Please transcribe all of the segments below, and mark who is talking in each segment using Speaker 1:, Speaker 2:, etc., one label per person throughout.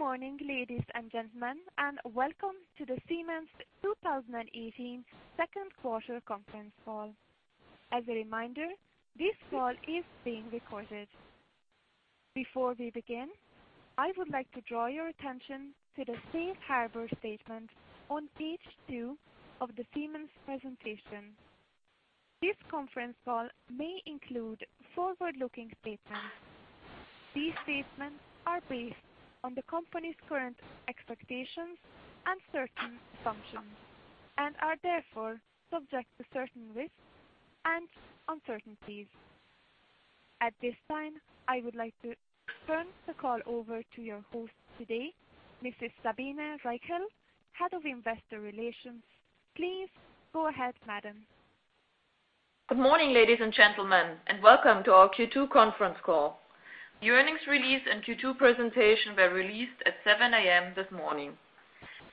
Speaker 1: Good morning, ladies and gentlemen, welcome to the Siemens 2018 second quarter conference call. As a reminder, this call is being recorded. Before we begin, I would like to draw your attention to the safe harbor statement on page two of the Siemens presentation. This conference call may include forward-looking statements. These statements are based on the company's current expectations and certain assumptions and are therefore subject to certain risks and uncertainties. At this time, I would like to turn the call over to your host today, Mrs. Sabine Reichel, Head of Investor Relations. Please go ahead, madam.
Speaker 2: Good morning, ladies and gentlemen, welcome to our Q2 conference call. The earnings release and Q2 presentation were released at 7:00 A.M. this morning.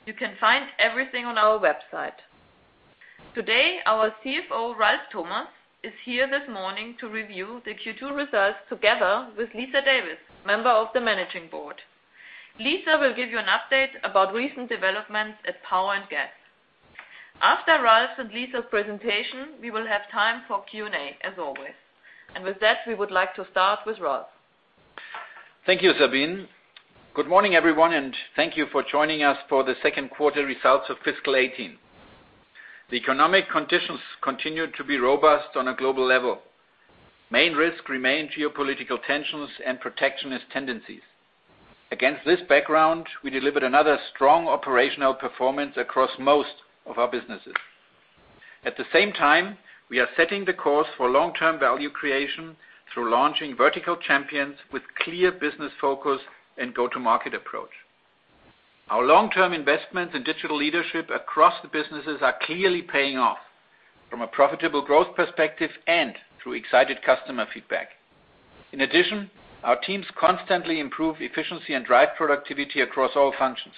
Speaker 2: You can find everything on our website. Today, our CFO, Ralf Thomas, is here this morning to review the Q2 results, together with Lisa Davis, member of the managing board. Lisa will give you an update about recent developments at Power and Gas. After Ralf's and Lisa's presentation, we will have time for Q&A as always. With that, we would like to start with Ralf.
Speaker 3: Thank you, Sabine. Good morning, everyone, thank you for joining us for the second quarter results of fiscal 2018. The economic conditions continue to be robust on a global level. Main risk remain geopolitical tensions and protectionist tendencies. Against this background, we delivered another strong operational performance across most of our businesses. At the same time, we are setting the course for long-term value creation through launching vertical champions with clear business focus and go-to-market approach. Our long-term investments in digital leadership across the businesses are clearly paying off from a profitable growth perspective and through excited customer feedback. In addition, our teams constantly improve efficiency and drive productivity across all functions.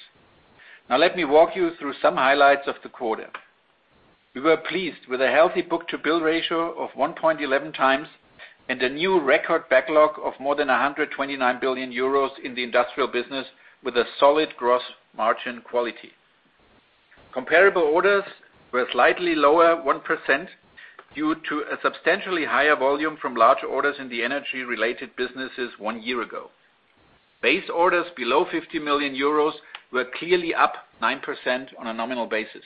Speaker 3: Let me walk you through some highlights of the quarter. We were pleased with a healthy book-to-bill ratio of 1.11 times and a new record backlog of more than 129 billion euros in the industrial business with a solid gross margin quality. Comparable orders were slightly lower 1% due to a substantially higher volume from larger orders in the energy-related businesses one year ago. Base orders below 50 million euros were clearly up 9% on a nominal basis.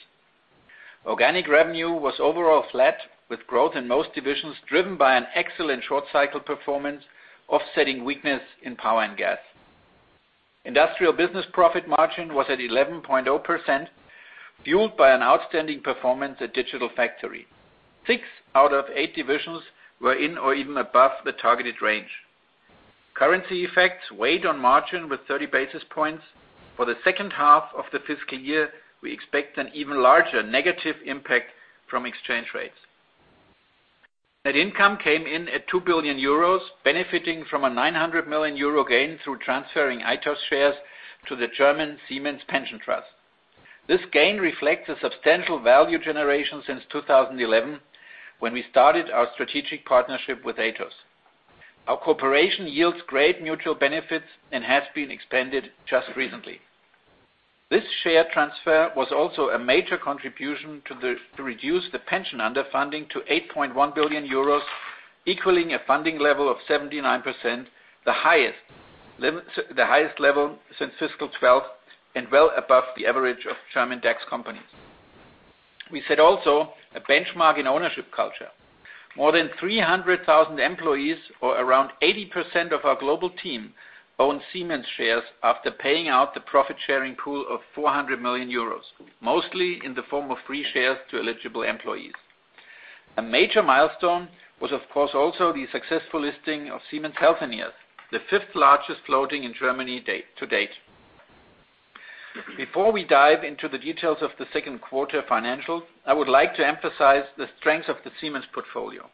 Speaker 3: Organic revenue was overall flat, with growth in most divisions driven by an excellent short-cycle performance, offsetting weakness in Power and Gas. Industrial business profit margin was at 11.0%, fueled by an outstanding performance at Digital Factory. Six out of eight divisions were in or even above the targeted range. Currency effects weighed on margin with 30 basis points. For the second half of the fiscal year, we expect an even larger negative impact from exchange rates. Net income came in at 2 billion euros, benefiting from a 900 million euro gain through transferring Atos shares to the German Siemens Pension Trust. This gain reflects a substantial value generation since 2011, when we started our strategic partnership with Atos. Our cooperation yields great mutual benefits and has been expanded just recently. This share transfer was also a major contribution to reduce the pension underfunding to 8.1 billion euros, equaling a funding level of 79%, the highest level since fiscal 2012 and well above the average of German DAX companies. We set also a benchmark in ownership culture. More than 300,000 employees, or around 80% of our global team, own Siemens shares after paying out the profit-sharing pool of 400 million euros, mostly in the form of free shares to eligible employees. A major milestone was, of course, also the successful listing of Siemens Healthineers, the fifth-largest floating in Germany to date. Before we dive into the details of the second quarter financials, I would like to emphasize the strength of the Siemens portfolio.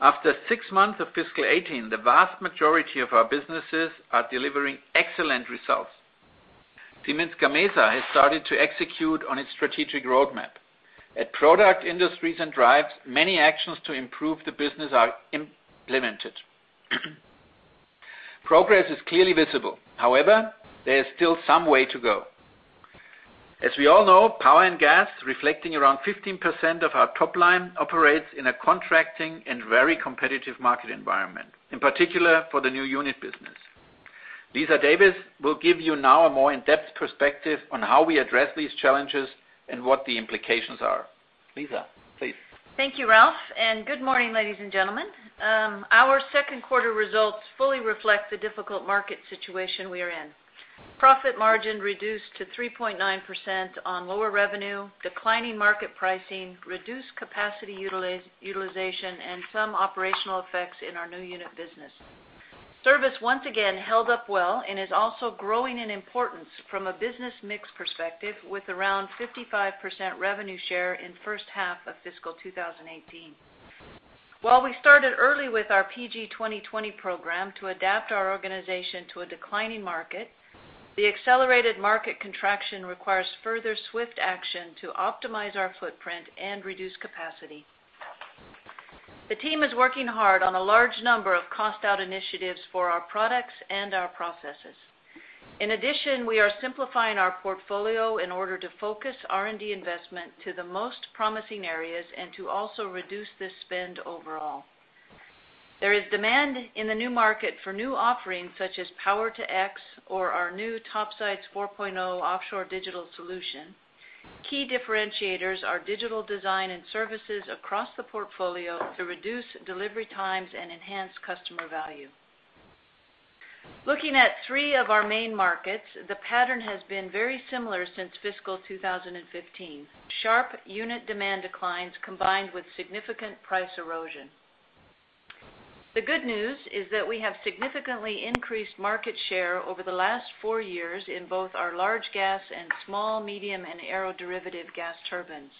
Speaker 3: After six months of fiscal 2018, the vast majority of our businesses are delivering excellent results. Siemens Gamesa has started to execute on its strategic roadmap. At Process Industries and Drives, many actions to improve the business are implemented. Progress is clearly visible. However, there is still some way to go. As we all know, Power and Gas, reflecting around 15% of our top line, operates in a contracting and very competitive market environment, in particular for the new unit business. Lisa Davis will give you now a more in-depth perspective on how we address these challenges and what the implications are. Lisa, please.
Speaker 4: Thank you, Ralf, and good morning, ladies and gentlemen. Our second quarter results fully reflect the difficult market situation we are in. Profit margin reduced to 3.9% on lower revenue, declining market pricing, reduced capacity utilization, and some operational effects in our new unit business. Service, once again, held up well and is also growing in importance from a business mix perspective, with around 55% revenue share in first half of fiscal 2018. While we started early with our PG 2020 program to adapt our organization to a declining market, the accelerated market contraction requires further swift action to optimize our footprint and reduce capacity. The team is working hard on a large number of cost-out initiatives for our products and our processes. In addition, we are simplifying our portfolio in order to focus R&D investment to the most promising areas and to also reduce the spend overall. There is demand in the new market for new offerings, such as Power-to-X or our new Topsides 4.0 offshore digital solution. Key differentiators are digital design and services across the portfolio to reduce delivery times and enhance customer value. Looking at three of our main markets, the pattern has been very similar since fiscal 2015. Sharp unit demand declines combined with significant price erosion. The good news is that we have significantly increased market share over the last four years in both our large gas and small, medium, and aero-derivative gas turbines.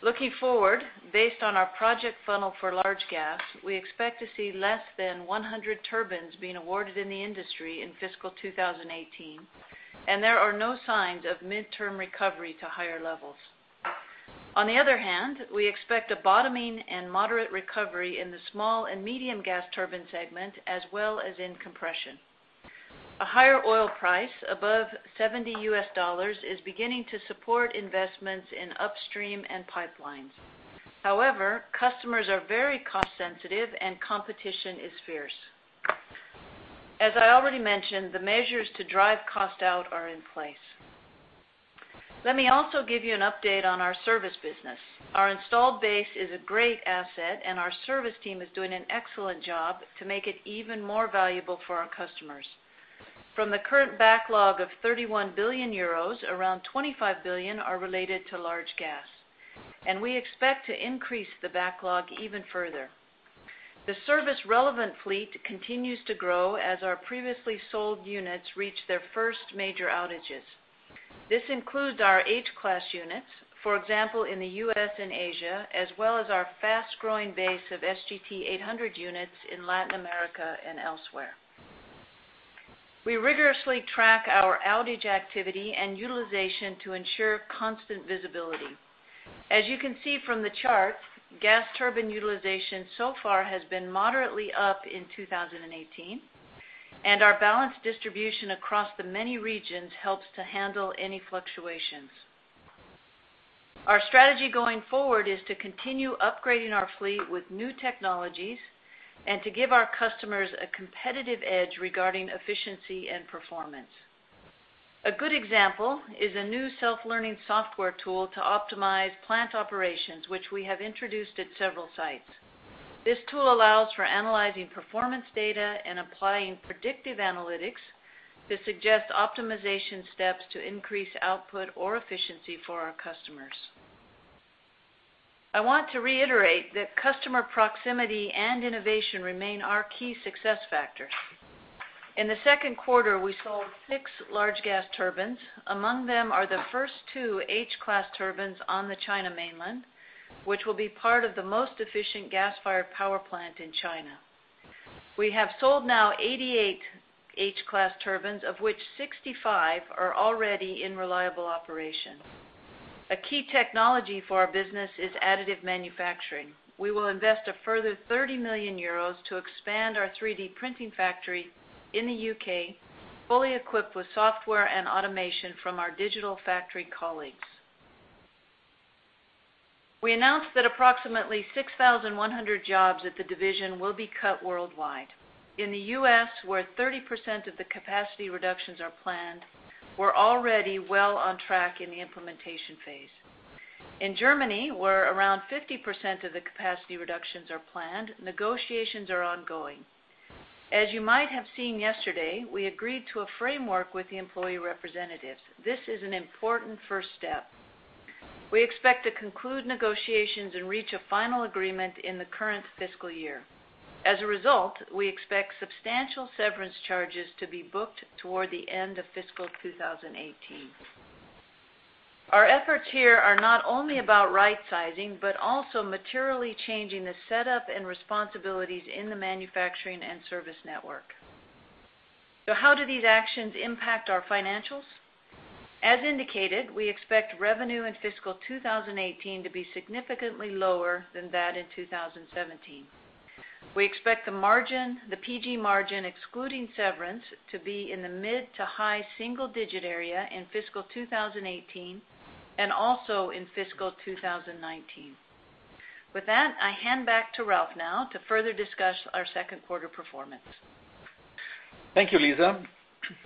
Speaker 4: Looking forward, based on our project funnel for large gas, we expect to see less than 100 turbines being awarded in the industry in fiscal 2018, and there are no signs of mid-term recovery to higher levels. On the other hand, we expect a bottoming and moderate recovery in the small and medium gas turbine segment, as well as in compression. A higher oil price above $70 U.S. dollars is beginning to support investments in upstream and pipelines. However, customers are very cost-sensitive, and competition is fierce. As I already mentioned, the measures to drive cost out are in place. Let me also give you an update on our service business. Our install base is a great asset, and our service team is doing an excellent job to make it even more valuable for our customers. From the current backlog of 31 billion euros, around 25 billion are related to large gas, and we expect to increase the backlog even further. The service-relevant fleet continues to grow as our previously sold units reach their first major outages. This includes our H-class units, for example, in the U.S. and Asia, as well as our fast-growing base of SGT-800 units in Latin America and elsewhere. We rigorously track our outage activity and utilization to ensure constant visibility. As you can see from the chart, gas turbine utilization so far has been moderately up in 2018, and our balanced distribution across the many regions helps to handle any fluctuations. Our strategy going forward is to continue upgrading our fleet with new technologies and to give our customers a competitive edge regarding efficiency and performance. A good example is a new self-learning software tool to optimize plant operations, which we have introduced at several sites. This tool allows for analyzing performance data and applying predictive analytics to suggest optimization steps to increase output or efficiency for our customers. I want to reiterate that customer proximity and innovation remain our key success factors. In the second quarter, we sold six large gas turbines. Among them are the first two H-class turbines on the China mainland, which will be part of the most efficient gas-fired power plant in China. We have sold now 88 H-class turbines, of which 65 are already in reliable operation. A key technology for our business is additive manufacturing. We will invest a further 30 million euros to expand our 3D printing factory in the U.K., fully equipped with software and automation from our Digital Factory colleagues. We announced that approximately 6,100 jobs at the division will be cut worldwide. In the U.S., where 30% of the capacity reductions are planned, we're already well on track in the implementation phase. In Germany, where around 50% of the capacity reductions are planned, negotiations are ongoing. As you might have seen yesterday, we agreed to a framework with the employee representatives. This is an important first step. We expect to conclude negotiations and reach a final agreement in the current fiscal year. As a result, we expect substantial severance charges to be booked toward the end of fiscal 2018. Our efforts here are not only about rightsizing, but also materially changing the setup and responsibilities in the manufacturing and service network. How do these actions impact our financials? As indicated, we expect revenue in fiscal 2018 to be significantly lower than that in 2017. We expect the margin, the PG margin, excluding severance, to be in the mid to high single digit area in fiscal 2018 and also in fiscal 2019. With that, I hand back to Ralf now to further discuss our second quarter performance.
Speaker 3: Thank you, Lisa.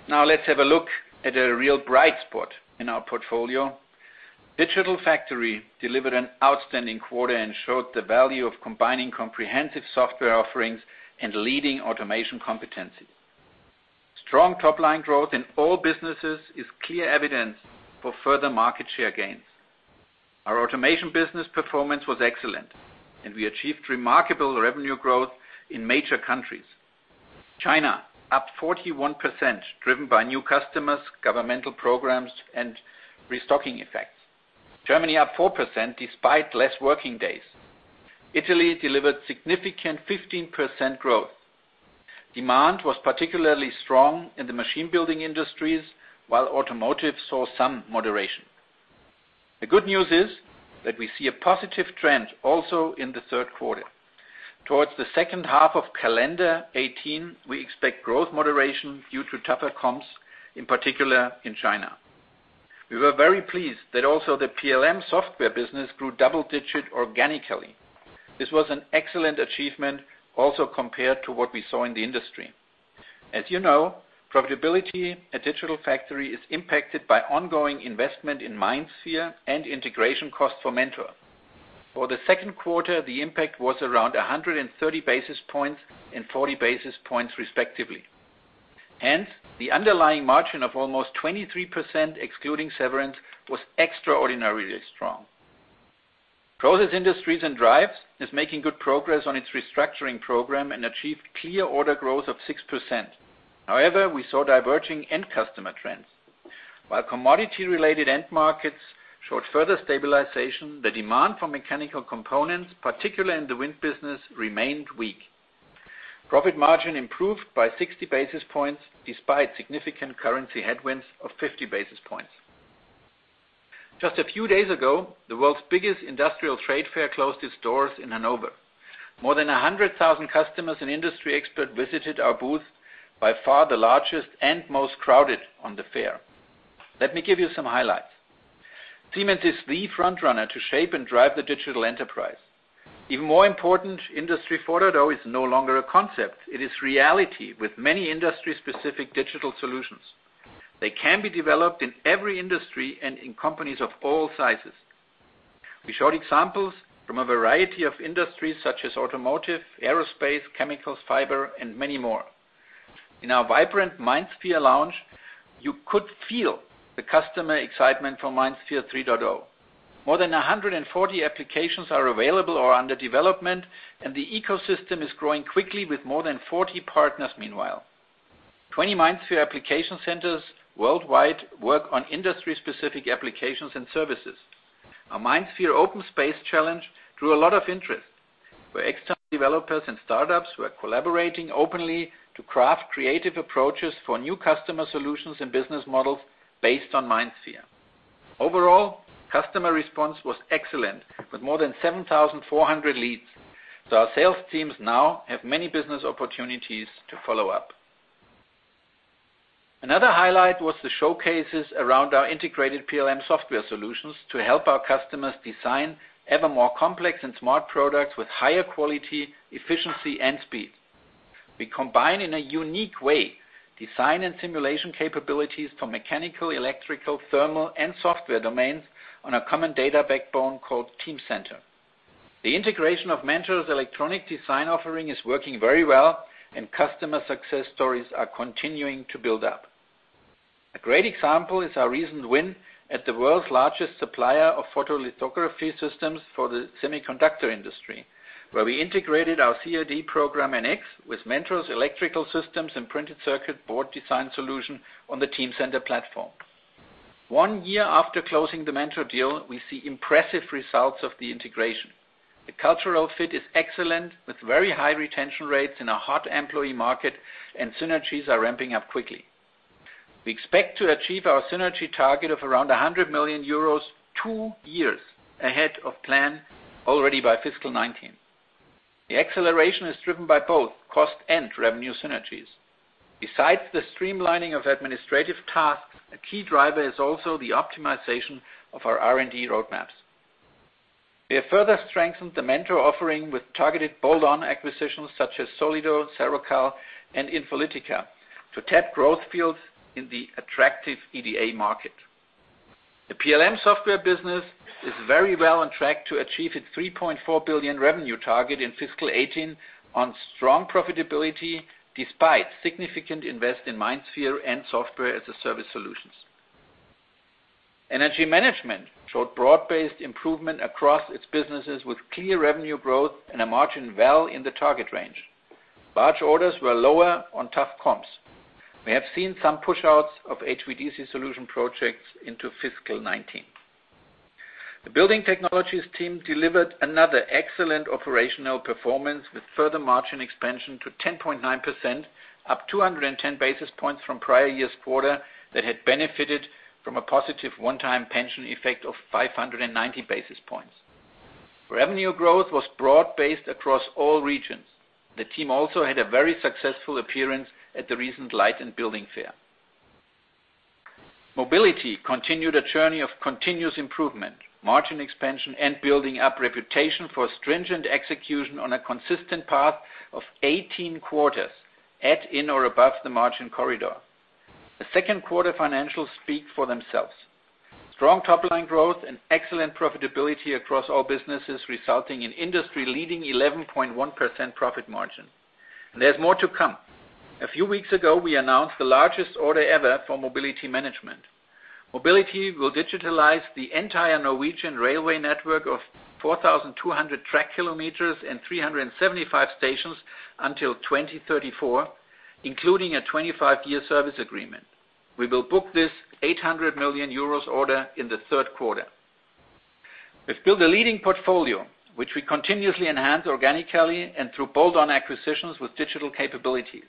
Speaker 3: Let's have a look at a real bright spot in our portfolio. Digital Factory delivered an outstanding quarter and showed the value of combining comprehensive software offerings and leading automation competency. Strong top-line growth in all businesses is clear evidence for further market share gains. Our automation business performance was excellent, we achieved remarkable revenue growth in major countries. China, up 41%, driven by new customers, governmental programs, and restocking effects. Germany up 4% despite less working days. Italy delivered significant 15% growth. Demand was particularly strong in the machine building industries, while automotive saw some moderation. The good news is that we see a positive trend also in the third quarter. Towards the second half of calendar 2018, we expect growth moderation due to tougher comps, in particular in China. We were very pleased that also the PLM software business grew double-digit organically. This was an excellent achievement also compared to what we saw in the industry. As you know, profitability at Digital Factory is impacted by ongoing investment in MindSphere and integration costs for Mentor. For the second quarter, the impact was around 130 basis points and 40 basis points respectively. Hence, the underlying margin of almost 23%, excluding severance, was extraordinarily strong. Process Industries and Drives is making good progress on its restructuring program, achieved clear order growth of 6%. We saw diverging end customer trends. While commodity-related end markets showed further stabilization, the demand for mechanical components, particularly in the wind business, remained weak. Profit margin improved by 60 basis points despite significant currency headwinds of 50 basis points. Just a few days ago, the world's biggest industrial trade fair closed its doors in Hanover. More than 100,000 customers and industry experts visited our booth, by far the largest and most crowded on the fair. Let me give you some highlights. Siemens is the front runner to shape and drive the digital enterprise. Industry 4.0 is no longer a concept. It is reality with many industry-specific digital solutions. They can be developed in every industry and in companies of all sizes. We showed examples from a variety of industries such as automotive, aerospace, chemicals, fiber, and many more. In our vibrant MindSphere lounge, you could feel the customer excitement from MindSphere 3.0. More than 140 applications are available or under development, the ecosystem is growing quickly with more than 40 partners meanwhile. 20 MindSphere application centers worldwide work on industry-specific applications and services. Our MindSphere OpenSpace challenge drew a lot of interest, where external developers and startups were collaborating openly to craft creative approaches for new customer solutions and business models based on MindSphere. Overall, customer response was excellent with more than 7,400 leads. Our sales teams now have many business opportunities to follow up. Another highlight was the showcases around our integrated PLM software solutions to help our customers design ever more complex and smart products with higher quality, efficiency, and speed. We combine in a unique way design and simulation capabilities for mechanical, electrical, thermal, and software domains on a common data backbone called Teamcenter. The integration of Mentor's electronic design offering is working very well, customer success stories are continuing to build up. A great example is our recent win at the world's largest supplier of photolithography systems for the semiconductor industry, where we integrated our CAD program, NX, with Mentor's electrical systems and printed circuit board design solution on the Teamcenter platform. One year after closing the Mentor deal, we see impressive results of the integration. The cultural fit is excellent with very high retention rates in a hot employee market. Synergies are ramping up quickly. We expect to achieve our synergy target of around 100 million euros two years ahead of plan already by fiscal 2019. The acceleration is driven by both cost and revenue synergies. Besides the streamlining of administrative tasks, a key driver is also the optimization of our R&D roadmaps. We have further strengthened the Mentor offering with targeted bolt-on acquisitions such as Solido, Sarokal, and Infolytica to tap growth fields in the attractive EDA market. The PLM software business is very well on track to achieve its 3.4 billion revenue target in fiscal 2018 on strong profitability, despite significant invest in MindSphere and software as a service solutions. Energy Management showed broad-based improvement across its businesses with clear revenue growth and a margin well in the target range. Large orders were lower on tough comps. We have seen some pushouts of HVDC solution projects into fiscal 2019. The Building Technologies team delivered another excellent operational performance with further margin expansion to 10.9%, up 210 basis points from prior year's quarter that had benefited from a positive one-time pension effect of 590 basis points. Revenue growth was broad-based across all regions. The team also had a very successful appearance at the recent Light + Building Fair. Mobility continued a journey of continuous improvement, margin expansion, and building up reputation for stringent execution on a consistent path of 18 quarters at, in, or above the margin corridor. The second quarter financials speak for themselves. Strong top-line growth and excellent profitability across all businesses, resulting in industry-leading 11.1% profit margin. There's more to come. A few weeks ago, we announced the largest order ever for Mobility management. Mobility will digitalize the entire Norwegian railway network of 4,200 track kilometers and 375 stations until 2034, including a 25-year service agreement. We will book this 800 million euros order in the third quarter. We've built a leading portfolio, which we continuously enhance organically and through bolt-on acquisitions with digital capabilities.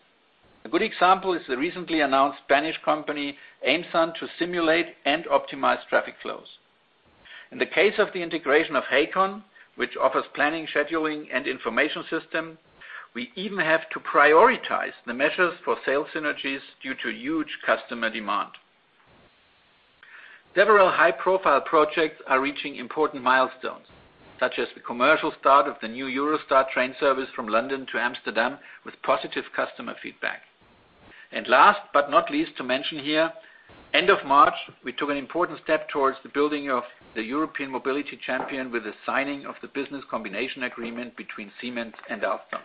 Speaker 3: A good example is the recently announced Spanish company, Aimsun, to simulate and optimize traffic flows. In the case of the integration of Hacon, which offers planning, scheduling, and information system, we even have to prioritize the measures for sales synergies due to huge customer demand. Several high-profile projects are reaching important milestones, such as the commercial start of the new Eurostar train service from London to Amsterdam, with positive customer feedback. Last but not least to mention here, end of March, we took an important step towards the building of the European mobility champion with the signing of the business combination agreement between Siemens and Alstom.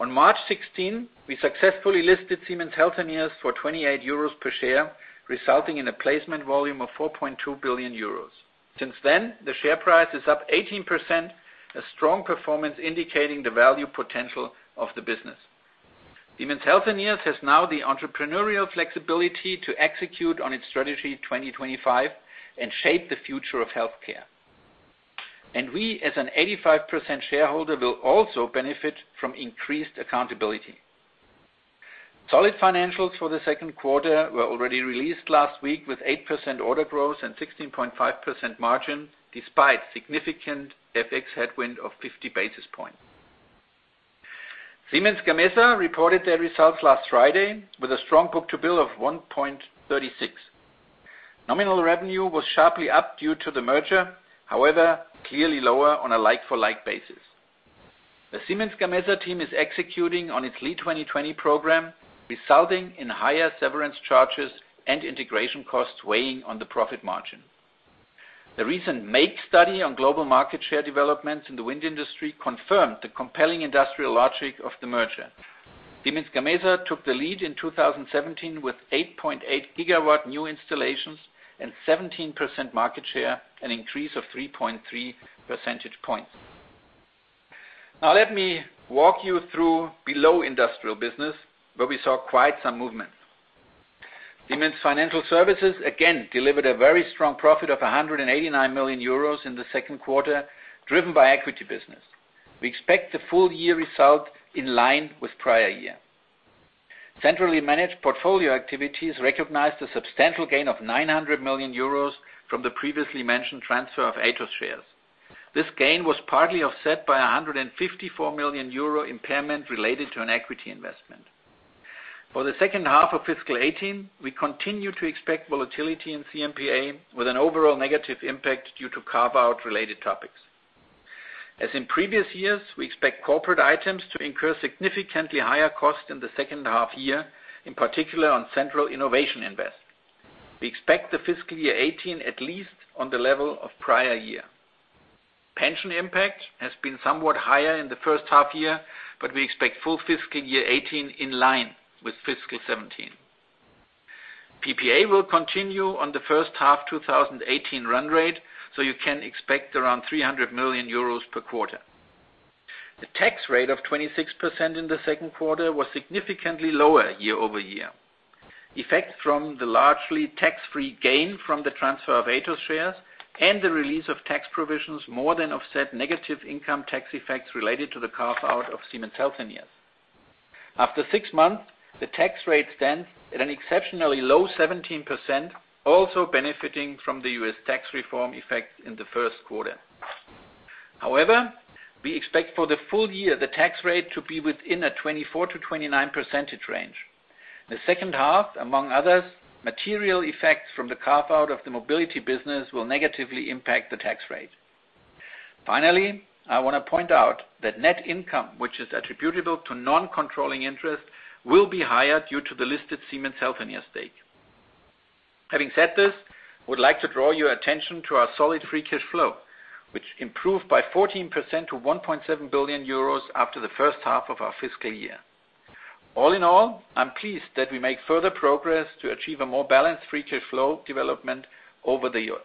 Speaker 3: On March 16, we successfully listed Siemens Healthineers for 28 euros per share, resulting in a placement volume of 4.2 billion euros. Since then, the share price is up 18%, a strong performance indicating the value potential of the business. Siemens Healthineers has now the entrepreneurial flexibility to execute on its Strategy 2025 and shape the future of healthcare. We, as an 85% shareholder, will also benefit from increased accountability. Solid financials for the second quarter were already released last week with 8% order growth and 16.5% margin, despite significant FX headwind of 50 basis points. Siemens Gamesa reported their results last Friday with a strong book-to-bill of 1.36. Nominal revenue was sharply up due to the merger, however, clearly lower on a like-for-like basis. The Siemens Gamesa team is executing on its L3AD2020 program, resulting in higher severance charges and integration costs weighing on the profit margin. The recent MAKE study on global market share developments in the wind industry confirmed the compelling industrial logic of the merger. Siemens Gamesa took the lead in 2017 with 8.8 gigawatt new installations and 17% market share, an increase of 3.3 percentage points. Now let me walk you through below industrial business, where we saw quite some movement. Siemens Financial Services again delivered a very strong profit of 189 million euros in the second quarter, driven by equity business. We expect the full year result in line with prior year. Centrally Managed Portfolio Activities recognized a substantial gain of 900 million euros from the previously mentioned transfer of Atos shares. This gain was partly offset by a 154 million euro impairment related to an equity investment. For the second half of fiscal 2018, we continue to expect volatility in CMPA with an overall negative impact due to carve-out related topics. As in previous years, we expect corporate items to incur significantly higher costs in the second half year, in particular on central innovation invest. We expect the fiscal year 2018 at least on the level of prior year. Pension impact has been somewhat higher in the first half year, but we expect full fiscal year 2018 in line with fiscal 2017. PPA will continue on the first half 2018 run rate, so you can expect around 300 million euros per quarter. The tax rate of 26% in the second quarter was significantly lower year-over-year. Effects from the largely tax-free gain from the transfer of Atos shares and the release of tax provisions more than offset negative income tax effects related to the carve-out of Siemens Healthineers. After six months, the tax rate stands at an exceptionally low 17%, also benefiting from the U.S. tax reform effect in the first quarter. We expect for the full year the tax rate to be within a 24%-29% range. The second half, among others, material effects from the carve-out of the mobility business will negatively impact the tax rate. I want to point out that net income, which is attributable to non-controlling interest, will be higher due to the listed Siemens Healthineers stake. Having said this, I would like to draw your attention to our solid free cash flow, which improved by 14% to 1.7 billion euros after the first half of our fiscal year. I am pleased that we make further progress to achieve a more balanced free cash flow development over the year.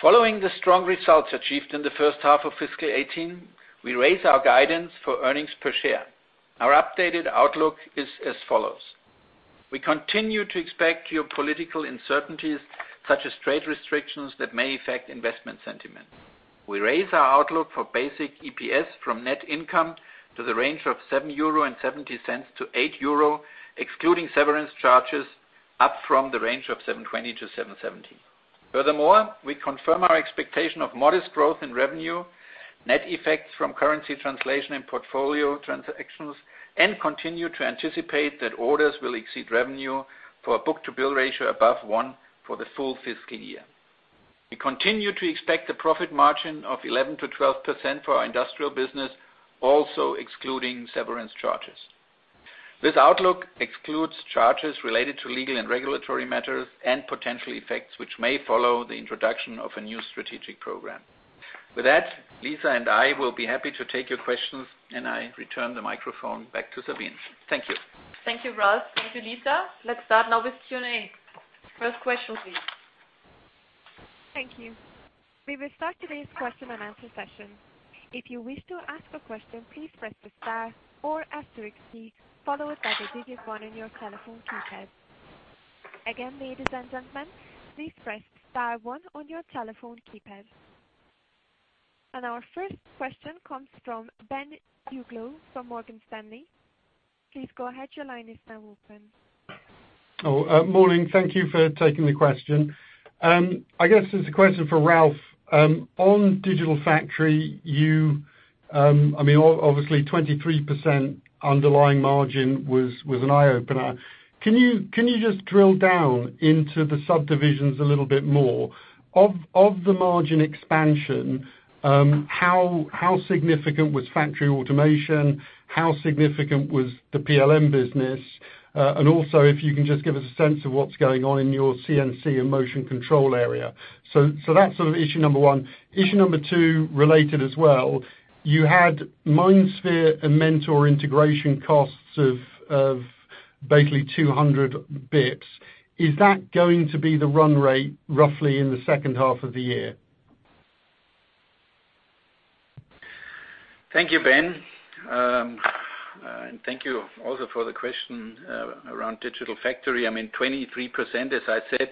Speaker 3: Following the strong results achieved in the first half of fiscal 2018, we raise our guidance for earnings per share. Our updated outlook is as follows. We continue to expect geopolitical uncertainties, such as trade restrictions, that may affect investment sentiment. We raise our outlook for basic EPS from net income to the range of 7.70-8 euro, excluding severance charges, up from the range of 7.20-7.70. We confirm our expectation of modest growth in revenue, net effects from currency translation and portfolio transactions, and continue to anticipate that orders will exceed revenue for a book-to-bill ratio above one for the full fiscal year. We continue to expect a profit margin of 11%-12% for our industrial business, also excluding severance charges. This outlook excludes charges related to legal and regulatory matters and potential effects which may follow the introduction of a new strategic program. With that, Lisa and I will be happy to take your questions. I return the microphone back to Sabine. Thank you.
Speaker 2: Thank you, Ralf. Thank you, Lisa. Let's start now with Q&A. First question, please.
Speaker 5: Thank you
Speaker 1: We will start today's question and answer session. If you wish to ask a question, please press the star or asterisk key followed by the digit one on your telephone keypad. Again, ladies and gentlemen, please press star one on your telephone keypad. Our first question comes from Ben Uglow from Morgan Stanley. Please go ahead. Your line is now open.
Speaker 6: Morning. Thank you for taking the question. I guess this is a question for Ralf. On Digital Factory, obviously 23% underlying margin was an eye-opener. Can you just drill down into the subdivisions a little bit more? Of the margin expansion, how significant was factory automation? How significant was the PLM business? Also, if you can just give us a sense of what's going on in your CNC and motion control area. That's issue number one. Issue number two, related as well, you had MindSphere and Mentor integration costs of basically 200 basis points. Is that going to be the run rate roughly in the second half of the year?
Speaker 3: Thank you, Ben. Thank you also for the question around Digital Factory. 23%, as I said,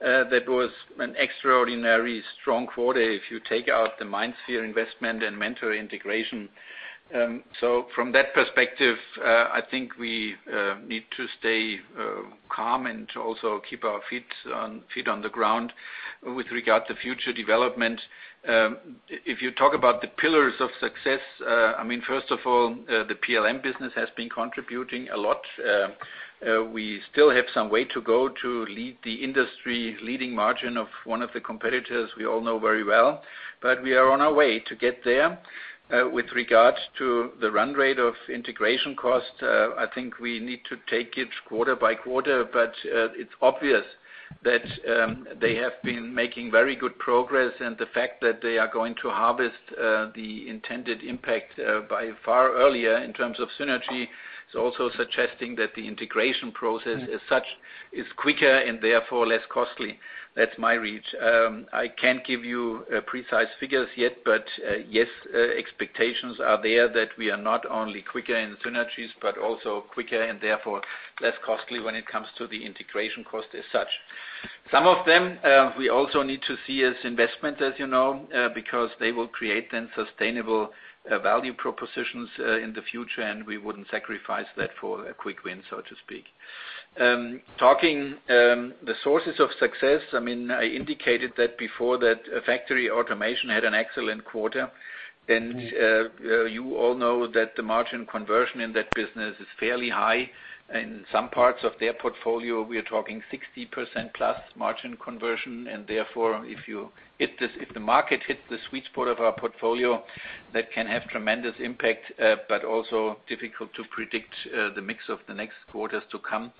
Speaker 3: that was an extraordinarily strong quarter if you take out the MindSphere investment and Mentor integration. From that perspective, I think we need to stay calm and also keep our feet on the ground with regard to future development. If you talk about the pillars of success, first of all, the PLM business has been contributing a lot. We still have some way to go to lead the industry leading margin of one of the competitors we all know very well, but we are on our way to get there. With regards to the run rate of integration cost, I think we need to take it quarter by quarter, but it's obvious that they have been making very good progress and the fact that they are going to harvest the intended impact by far earlier in terms of synergy is also suggesting that the integration process as such is quicker and therefore less costly. That's my read. I can't give you precise figures yet, but yes, expectations are there that we are not only quicker in synergies, but also quicker and therefore less costly when it comes to the integration cost as such. Some of them, we also need to see as investment, as you know, because they will create then sustainable value propositions in the future, and we wouldn't sacrifice that for a quick win, so to speak. Talking the sources of success, I indicated that before that factory automation had an excellent quarter. You all know that the margin conversion in that business is fairly high. In some parts of their portfolio, we are talking 60% plus margin conversion. Therefore, if the market hits the sweet spot of our portfolio, that can have tremendous impact, but also difficult to predict the mix of the next quarters to come.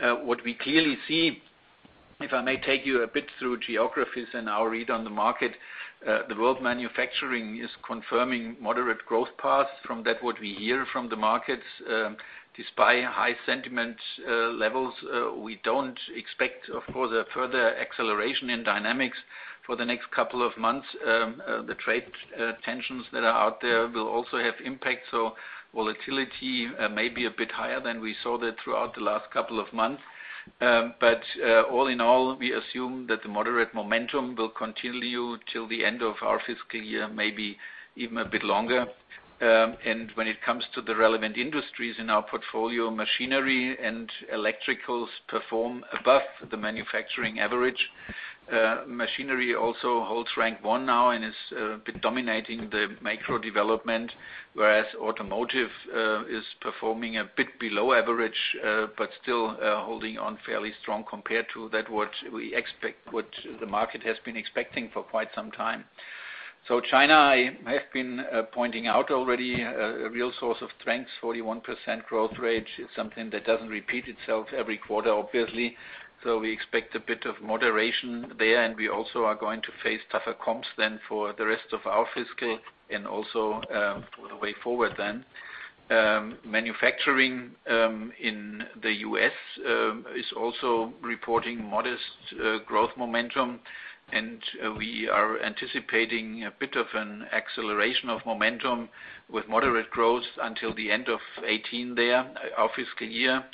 Speaker 3: What we clearly see, if I may take you a bit through geographies and our read on the market, the world manufacturing is confirming moderate growth paths from that what we hear from the markets. Despite high sentiment levels, we don't expect further acceleration in dynamics for the next couple of months. The trade tensions that are out there will also have impact. Volatility may be a bit higher than we saw that throughout the last couple of months. All in all, we assume that the moderate momentum will continue till the end of our fiscal year, maybe even a bit longer. When it comes to the relevant industries in our portfolio, machinery and electricals perform above the manufacturing average. Machinery also holds rank 1 now and has been dominating the micro development, whereas automotive is performing a bit below average but still holding on fairly strong compared to that what the market has been expecting for quite some time. China, I have been pointing out already, a real source of strength, 41% growth rate is something that doesn't repeat itself every quarter, obviously. We expect a bit of moderation there, and we also are going to face tougher comps then for the rest of our fiscal and also for the way forward then. Manufacturing in the U.S. is also reporting modest growth momentum, and we are anticipating a bit of an acceleration of momentum with moderate growth until the end of 2018 there, our fiscal year.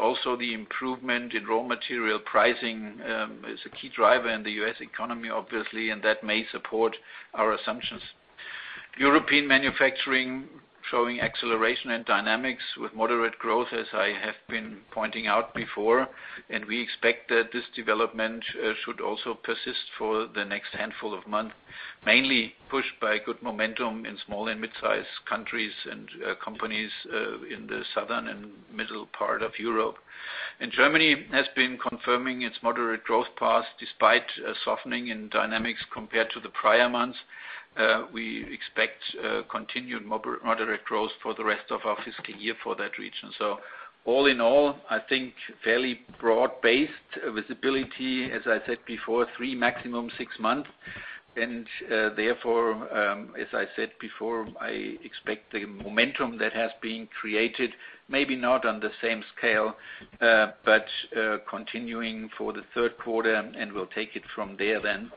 Speaker 3: Also the improvement in raw material pricing is a key driver in the U.S. economy, obviously, and that may support our assumptions. European manufacturing showing acceleration and dynamics with moderate growth, as I have been pointing out before, and we expect that this development should also persist for the next handful of months, mainly pushed by good momentum in small and mid-size countries and companies in the southern and middle part of Europe. Germany has been confirming its moderate growth path despite a softening in dynamics compared to the prior months. We expect continued moderate growth for the rest of our fiscal year for that region. All in all, I think fairly broad-based visibility, as I said before, three maximum six months, and therefore, as I said before, I expect the momentum that has been created, maybe not on the same scale, but continuing for the third quarter, and we'll take it from there then.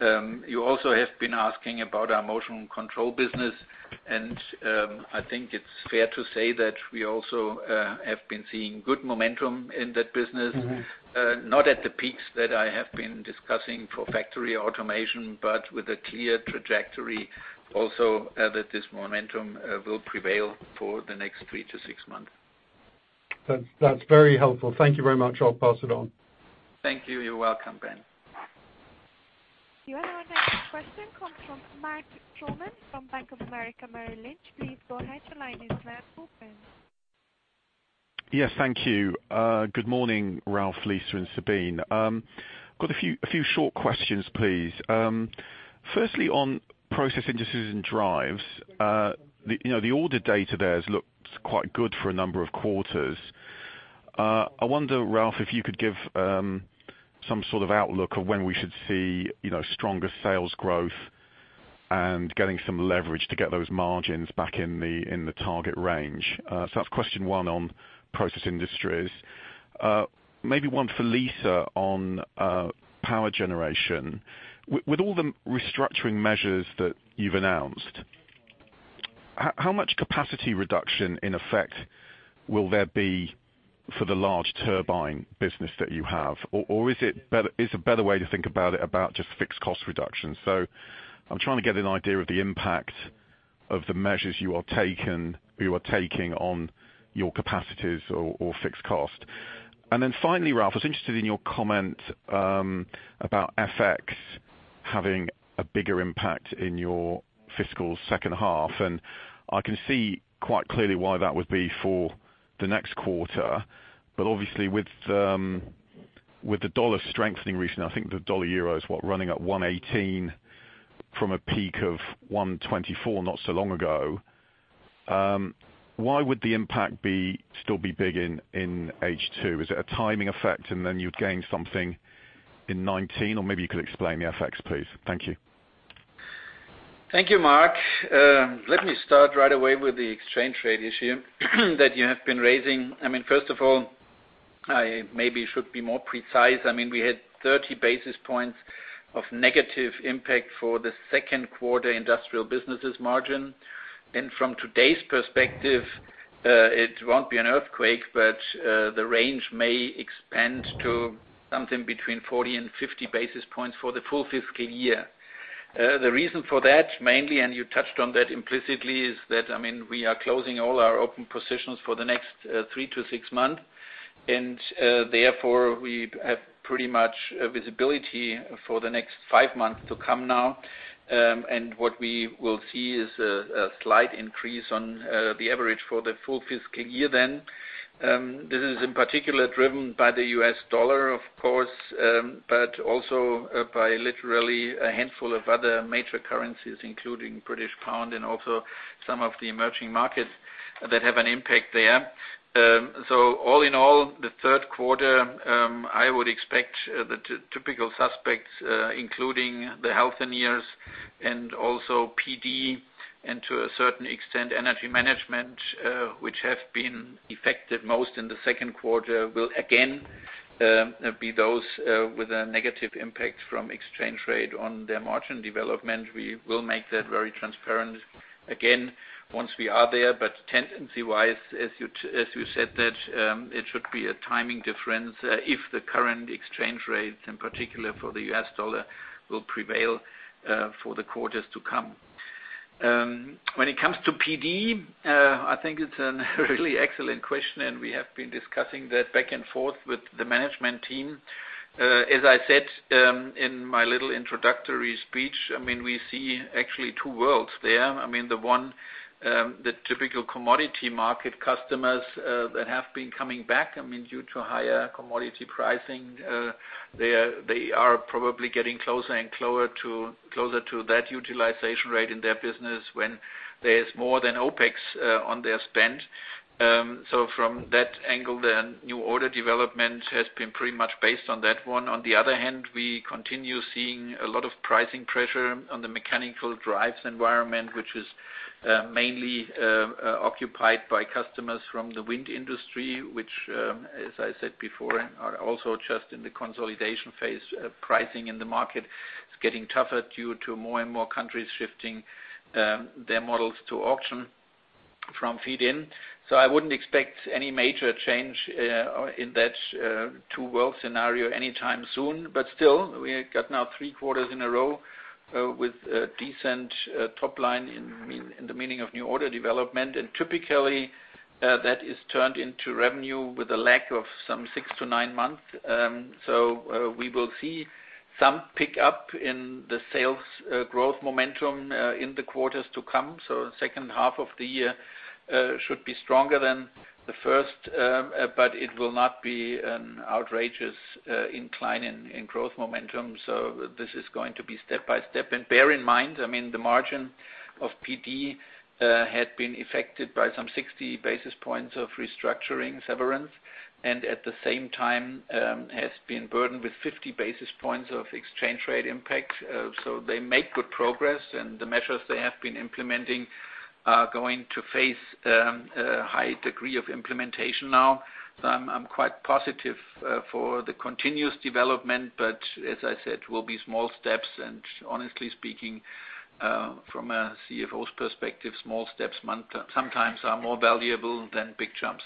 Speaker 3: You also have been asking about our motion control business, and I think it's fair to say that we also have been seeing good momentum in that business. Not at the peaks that I have been discussing for factory automation, but with a clear trajectory also that this momentum will prevail for the next 3 to 6 months.
Speaker 6: That's very helpful. Thank you very much. I'll pass it on.
Speaker 3: Thank you. You're welcome, Ben.
Speaker 1: Your next question comes from Mark Troman from Bank of America Merrill Lynch. Please go ahead your line is now open.
Speaker 7: Yes, thank you. Good morning, Ralf, Lisa, and Sabine. Got a few short questions, please. Firstly, on Process Industries and Drives. The order data there looks quite good for a number of quarters. I wonder, Ralf, if you could give some sort of outlook of when we should see stronger sales growth and getting some leverage to get those margins back in the target range. That's question one on Process Industries. Maybe one for Lisa on power generation. With all the restructuring measures that you've announced, how much capacity reduction in effect will there be for the large turbine business that you have? Or is a better way to think about just fixed cost reduction? I'm trying to get an idea of the impact of the measures you are taking on your capacities or fixed cost. Finally, Ralf, I was interested in your comment about FX having a bigger impact in your fiscal second half, and I can see quite clearly why that would be for the next quarter. Obviously, with the dollar strengthening recently, I think the dollar/euro is what? Running at 118 from a peak of 124 not so long ago. Why would the impact still be big in H2? Is it a timing effect and then you'd gain something in 2019? Or maybe you could explain the FX, please. Thank you.
Speaker 3: Thank you, Mark. Let me start right away with the exchange rate issue that you have been raising. First of all, I maybe should be more precise. We had 30 basis points of negative impact for the second quarter industrial businesses margin. From today's perspective, it won't be an earthquake, but the range may expand to something between 40 and 50 basis points for the full fiscal year. The reason for that mainly, and you touched on that implicitly, is that we are closing all our open positions for the next three to six months, and therefore we have pretty much visibility for the next five months to come now. What we will see is a slight increase on the average for the full fiscal year then. This is in particular driven by the US dollar, of course, but also by literally a handful of other major currencies, including British pound and also some of the emerging markets that have an impact there. All in all, the third quarter, I would expect the typical suspects, including Siemens Healthineers and also PD and to a certain extent, Energy Management, which have been affected most in the second quarter, will again be those with a negative impact from exchange rate on their margin development. We will make that very transparent again once we are there. Tendency-wise, as you said that it should be a timing difference if the current exchange rates, in particular for the US dollar, will prevail for the quarters to come. When it comes to PD, I think it's a really excellent question, and we have been discussing that back and forth with the management team. As I said in my little introductory speech, we see actually two worlds there. The typical commodity market customers that have been coming back due to higher commodity pricing. They are probably getting closer to that utilization rate in their business when there is more than OpEx on their spend. From that angle, the new order development has been pretty much based on that one. On the other hand, we continue seeing a lot of pricing pressure on the mechanical drives environment, which is mainly occupied by customers from the wind industry, which, as I said before, are also just in the consolidation phase. Pricing in the market is getting tougher due to more and more countries shifting their models to auction from feed-in. I wouldn't expect any major change in that two-world scenario anytime soon. Still, we got now three quarters in a row with a decent top line in the meaning of new order development. Typically, that is turned into revenue with a lag of some six to nine months. We will see some pick up in the sales growth momentum in the quarters to come. The second half of the year should be stronger than the first. It will not be an outrageous incline in growth momentum. This is going to be step by step. Bear in mind, the margin of PD had been affected by some 60 basis points of restructuring severance, and at the same time has been burdened with 50 basis points of exchange rate impact. They make good progress, and the measures they have been implementing are going to face a high degree of implementation now. I'm quite positive for the continuous development, as I said, will be small steps, and honestly speaking, from a CFO's perspective, small steps sometimes are more valuable than big jumps.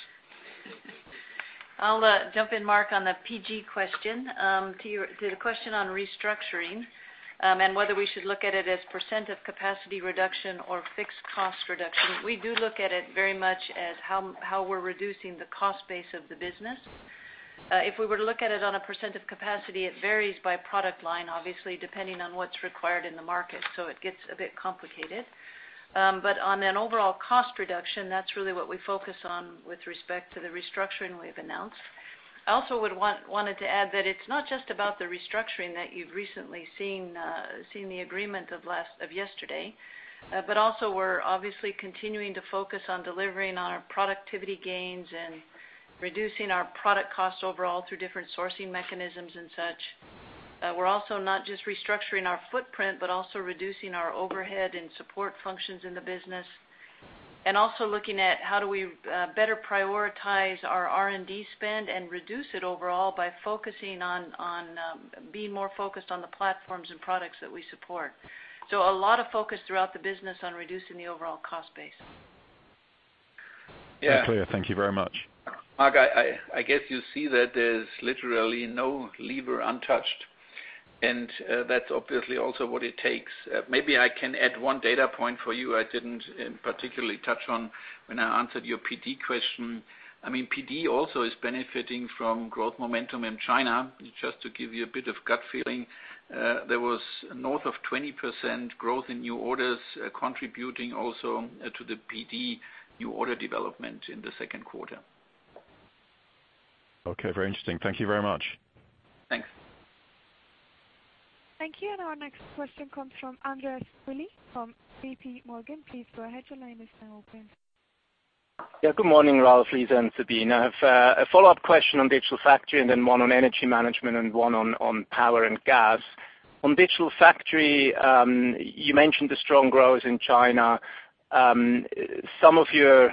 Speaker 4: I'll jump in, Mark, on the PG question. To the question on restructuring and whether we should look at it as % of capacity reduction or fixed cost reduction. We do look at it very much as how we're reducing the cost base of the business. If we were to look at it on a % of capacity, it varies by product line, obviously, depending on what's required in the market, so it gets a bit complicated. On an overall cost reduction, that's really what we focus on with respect to the restructuring we've announced. I also wanted to add that it's not just about the restructuring that you've recently seen the agreement of yesterday. Also we're obviously continuing to focus on delivering on our productivity gains and reducing our product costs overall through different sourcing mechanisms and such. We're also not just restructuring our footprint, but also reducing our overhead and support functions in the business. Also looking at how do we better prioritize our R&D spend and reduce it overall by being more focused on the platforms and products that we support. A lot of focus throughout the business on reducing the overall cost base.
Speaker 5: Yeah.
Speaker 7: Very clear. Thank you very much.
Speaker 3: Mark, I guess you see that there's literally no lever untouched, that's obviously also what it takes. Maybe I can add one data point for you I didn't particularly touch on when I answered your PD question. PD also is benefiting from growth momentum in China. Just to give you a bit of gut feeling, there was north of 20% growth in new orders contributing also to the PD new order development in the second quarter.
Speaker 7: Okay, very interesting. Thank you very much.
Speaker 3: Thanks.
Speaker 1: Thank you. Our next question comes from Andreas Willi from JPMorgan. Please go ahead. Your line is now open.
Speaker 8: Good morning, Ralf, Lisa, and Sabine. I have a follow-up question on Digital Factory and then one on Energy Management and one on Power and Gas. On Digital Factory, you mentioned the strong growth in China. Some of your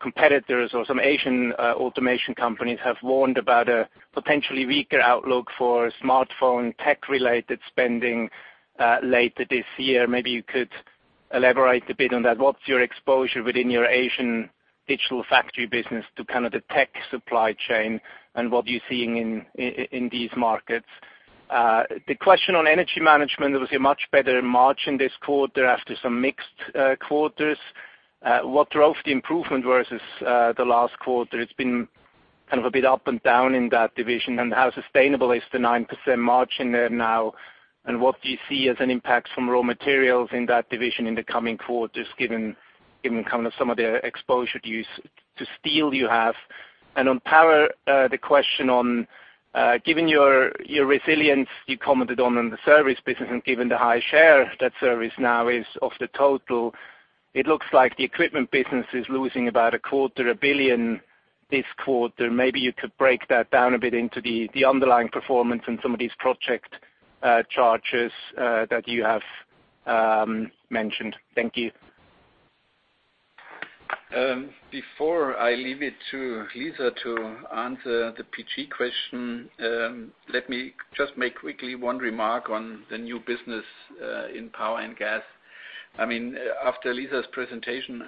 Speaker 8: competitors or some Asian automation companies have warned about a potentially weaker outlook for smartphone tech-related spending later this year. Maybe you could elaborate a bit on that. What's your exposure within your Asian Digital Factory business to kind of the tech supply chain and what you're seeing in these markets? The question on Energy Management, there was a much better margin this quarter after some mixed quarters. What drove the improvement versus the last quarter? It's been kind of a bit up and down in that division. How sustainable is the 9% margin there now, and what do you see as an impact from raw materials in that division in the coming quarters, given kind of some of the exposure to steel you have? On power, the question on given your resilience you commented on the service business and given the high share that service now is of the total, it looks like the equipment business is losing about a quarter billion EUR this quarter. Maybe you could break that down a bit into the underlying performance and some of these project charges that you have mentioned. Thank you.
Speaker 3: Before I leave it to Lisa to answer the PG question, let me just make quickly one remark on the new business in Power and Gas. After Lisa's presentation,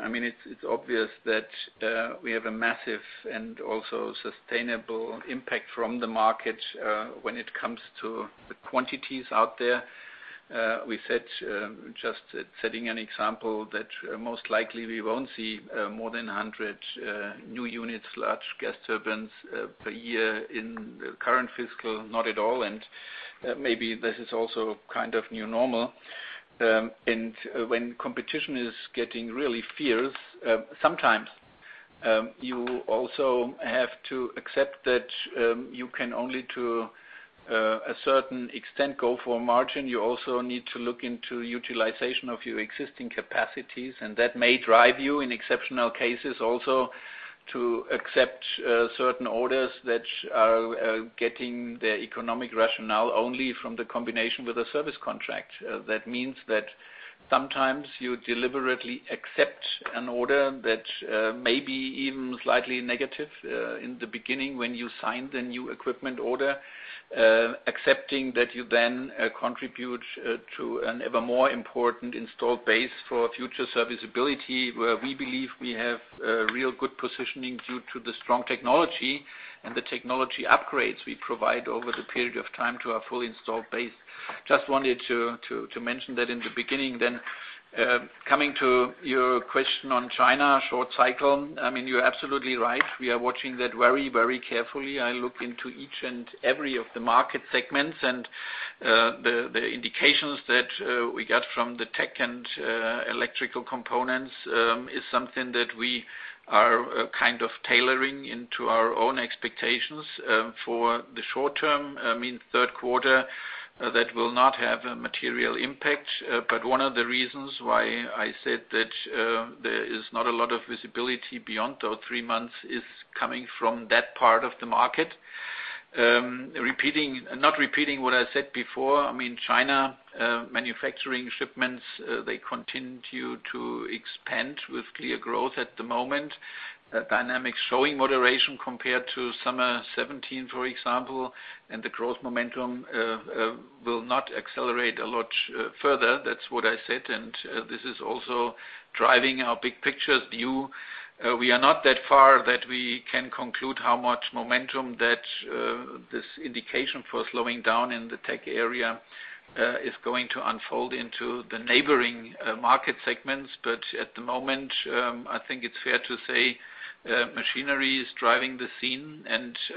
Speaker 3: it's obvious that we have a massive and also sustainable impact from the market when it comes to the quantities out there. We said, just setting an example, that most likely we won't see more than 100 new units, large gas turbines per year in the current fiscal, not at all. Maybe this is also kind of new normal. When competition is getting really fierce, sometimes you also have to accept that you can only to a certain extent go for margin. You also need to look into utilization of your existing capacities, that may drive you, in exceptional cases, also to accept certain orders that are getting their economic rationale only from the combination with a service contract. That means that sometimes you deliberately accept an order that may be even slightly negative in the beginning when you sign the new equipment order, accepting that you then contribute to an ever more important installed base for future serviceability, where we believe we have a real good positioning due to the strong technology and the technology upgrades we provide over the period of time to our fully installed base. Just wanted to mention that in the beginning. Coming to your question on China short cycle. You're absolutely right. We are watching that very carefully. I look into each and every of the market segments. The indications that we got from the tech and electrical components is something that we are kind of tailoring into our own expectations for the short term, third quarter. That will not have a material impact. One of the reasons why I said that there is not a lot of visibility beyond those three months is coming from that part of the market. Not repeating what I said before, China manufacturing shipments, they continue to expand with clear growth at the moment. Dynamics showing moderation compared to summer 2017, for example. The growth momentum will not accelerate a lot further. That's what I said. This is also driving our big picture view. We are not that far that we can conclude how much momentum that this indication for slowing down in the tech area is going to unfold into the neighboring market segments. At the moment, I think it's fair to say, machinery is driving the scene.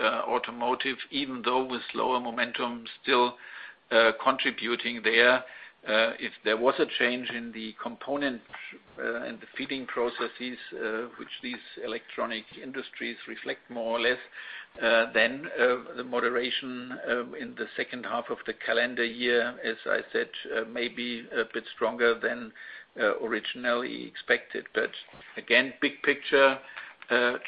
Speaker 3: Automotive, even though with lower momentum, still contributing there. If there was a change in the component and the feeding processes, which these electronic industries reflect more or less, the moderation in the second half of the calendar year, as I said, may be a bit stronger than originally expected. Again, big picture,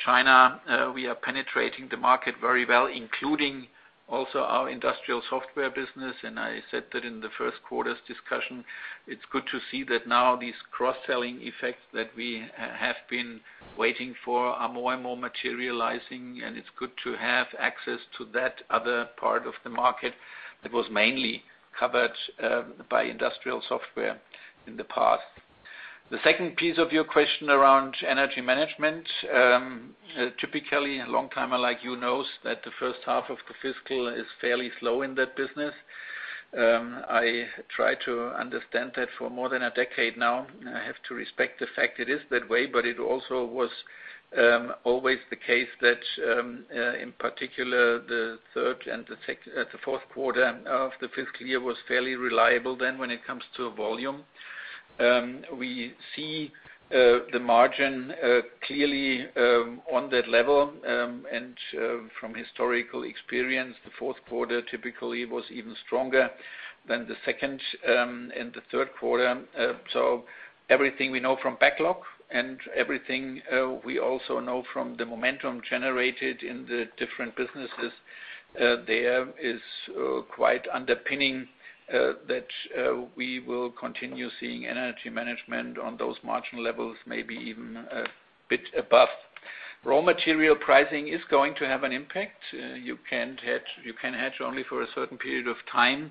Speaker 3: China, we are penetrating the market very well, including also our industrial software business. I said that in the first quarter's discussion. It's good to see that now these cross-selling effects that we have been waiting for are more and more materializing. It's good to have access to that other part of the market that was mainly covered by industrial software in the past. The second piece of your question around Energy Management. Typically, a long-timer like you knows that the first half of the fiscal is fairly slow in that business. I try to understand that for more than a decade now. I have to respect the fact it is that way. It also was always the case that, in particular, the third and the fourth quarter of the fiscal year was fairly reliable then when it comes to volume. We see the margin clearly on that level. From historical experience, the fourth quarter typically was even stronger than the second and the third quarter. Everything we know from backlog and everything we also know from the momentum generated in the different businesses there is quite underpinning that we will continue seeing Energy Management on those margin levels, maybe even a bit above. Raw material pricing is going to have an impact. You can hedge only for a certain period of time.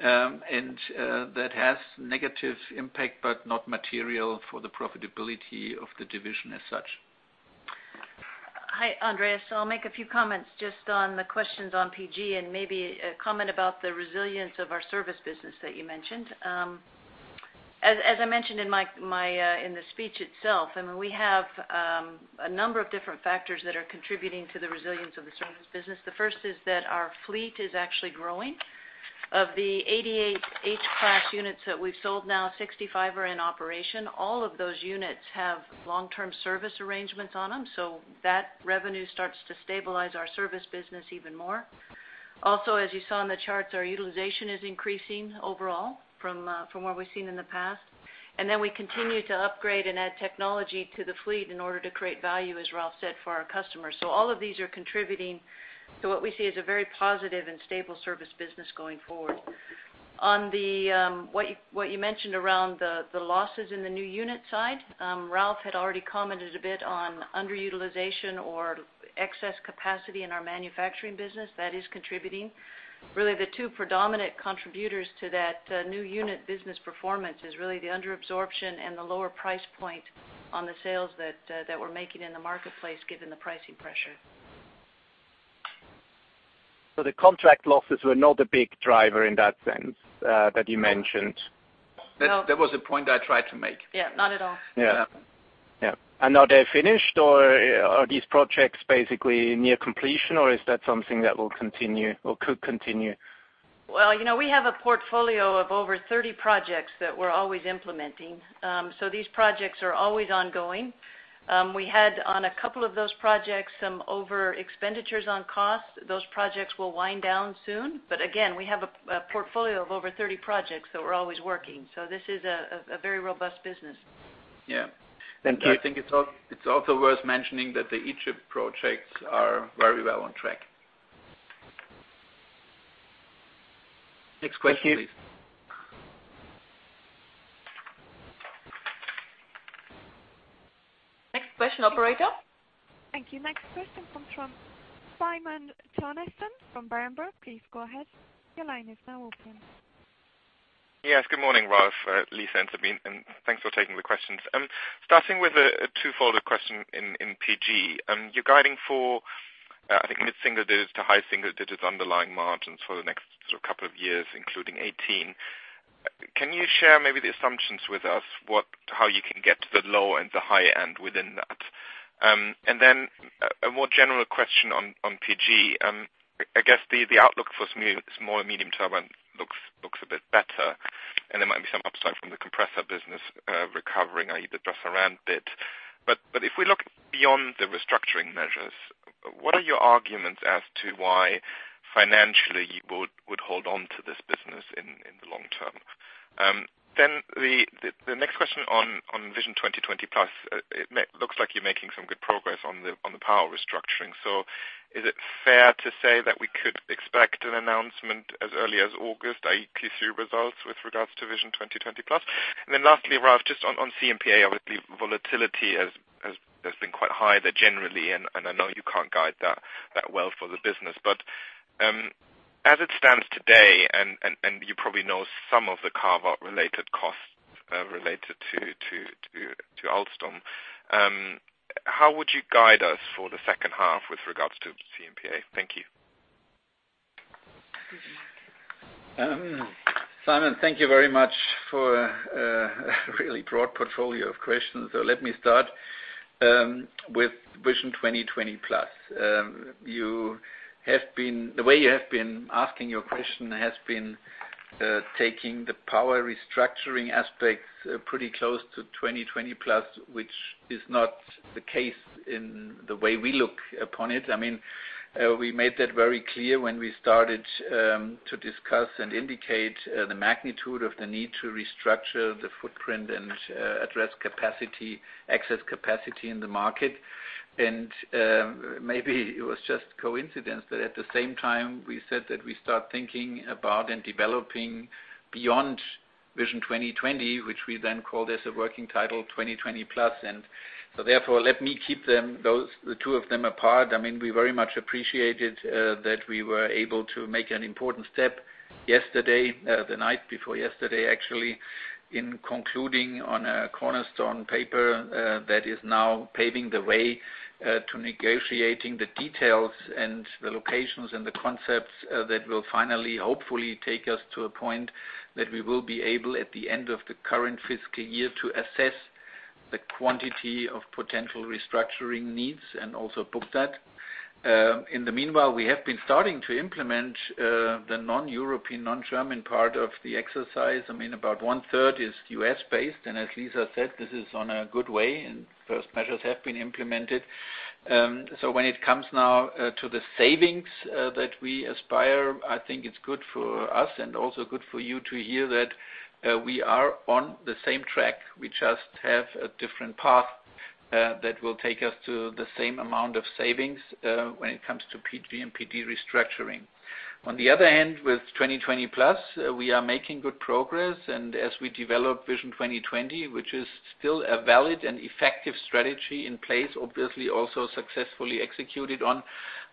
Speaker 3: That has negative impact, not material for the profitability of the division as such.
Speaker 4: Hi, Andreas. I'll make a few comments just on the questions on PG and maybe a comment about the resilience of our service business that you mentioned. As I mentioned in the speech itself, we have a number of different factors that are contributing to the resilience of the service business. The first is that our fleet is actually growing. Of the 88 H-class units that we've sold now, 65 are in operation. All of those units have long-term service arrangements on them, so that revenue starts to stabilize our service business even more. Also, as you saw in the charts, our utilization is increasing overall from what we've seen in the past. We continue to upgrade and add technology to the fleet in order to create value, as Ralf said, for our customers. All of these are contributing to what we see as a very positive and stable service business going forward. On what you mentioned around the losses in the new unit side, Ralf had already commented a bit on underutilization or excess capacity in our manufacturing business. That is contributing. Really, the two predominant contributors to that new unit business performance is really the under-absorption and the lower price point on the sales that we're making in the marketplace, given the pricing pressure.
Speaker 8: The contract losses were not a big driver in that sense that you mentioned.
Speaker 3: That was the point I tried to make.
Speaker 4: Not at all.
Speaker 8: Are they finished, or are these projects basically near completion, or is that something that will continue or could continue?
Speaker 4: Well, we have a portfolio of over 30 projects that we're always implementing. These projects are always ongoing. We had on a couple of those projects some overexpenditures on cost. Those projects will wind down soon. Again, we have a portfolio of over 30 projects that we're always working. This is a very robust business.
Speaker 8: Yeah.
Speaker 3: I think it's also worth mentioning that the Egypt projects are very well on track. Next question, please.
Speaker 4: Thank you.
Speaker 2: Next question, operator.
Speaker 1: Thank you. Next question comes from Simon Toennessen from Berenberg. Please go ahead. Your line is now open.
Speaker 9: Good morning, Ralf, Lisa, and Sabine, thanks for taking the questions. Starting with a two-fold question in Power and Gas. You're guiding for, I think, mid-single digits to high single digits underlying margins for the next couple of years, including 2018. Can you share maybe the assumptions with us, how you can get to the low and the high end within that? A more general question on Power and Gas. I guess the outlook for small and medium turbine looks a bit better, there might be some upside from the compressor business recovering, i.e., the Dresser-Rand bit. If we look beyond the restructuring measures, what are your arguments as to why financially you would hold on to this business in the long term? The next question on Vision 2020+. It looks like you're making some good progress on the Power restructuring. Is it fair to say that we could expect an announcement as early as August, i.e., Q3 results with regards to Vision 2020+? Lastly, Ralf, just on CMPA, obviously volatility has been quite high there generally, and I know you can't guide that well for the business, but as it stands today, and you probably know some of the carve-out related costs, related to Alstom. How would you guide us for the second half with regards to CMPA? Thank you.
Speaker 3: Simon, thank you very much for a really broad portfolio of questions. Let me start with Vision 2020+. The way you have been asking your question has been taking the Power restructuring aspects pretty close to Vision 2020+, which is not the case in the way we look upon it. We made that very clear when we started to discuss and indicate the magnitude of the need to restructure the footprint and address excess capacity in the market. Maybe it was just coincidence that at the same time, we said that we start thinking about and developing beyond Vision 2020, which we then called as a working title, Vision 2020+. Therefore, let me keep the two of them apart. We very much appreciated that we were able to make an important step yesterday, the night before yesterday, actually, in concluding on a cornerstone paper that is now paving the way to negotiating the details and the locations and the concepts that will finally, hopefully take us to a point that we will be able, at the end of the current fiscal year, to assess the quantity of potential restructuring needs and also book that. In the meanwhile, we have been starting to implement the non-European, non-German part of the exercise. About one-third is U.S.-based, and as Lisa said, this is on a good way, and first measures have been implemented. When it comes now to the savings that we aspire, I think it's good for us and also good for you to hear that we are on the same track. We just have a different path that will take us to the same amount of savings when it comes to PG and PD restructuring. On the other hand, with Vision 2020+, we are making good progress, and as we develop Vision 2020, which is still a valid and effective strategy in place, obviously also successfully executed on,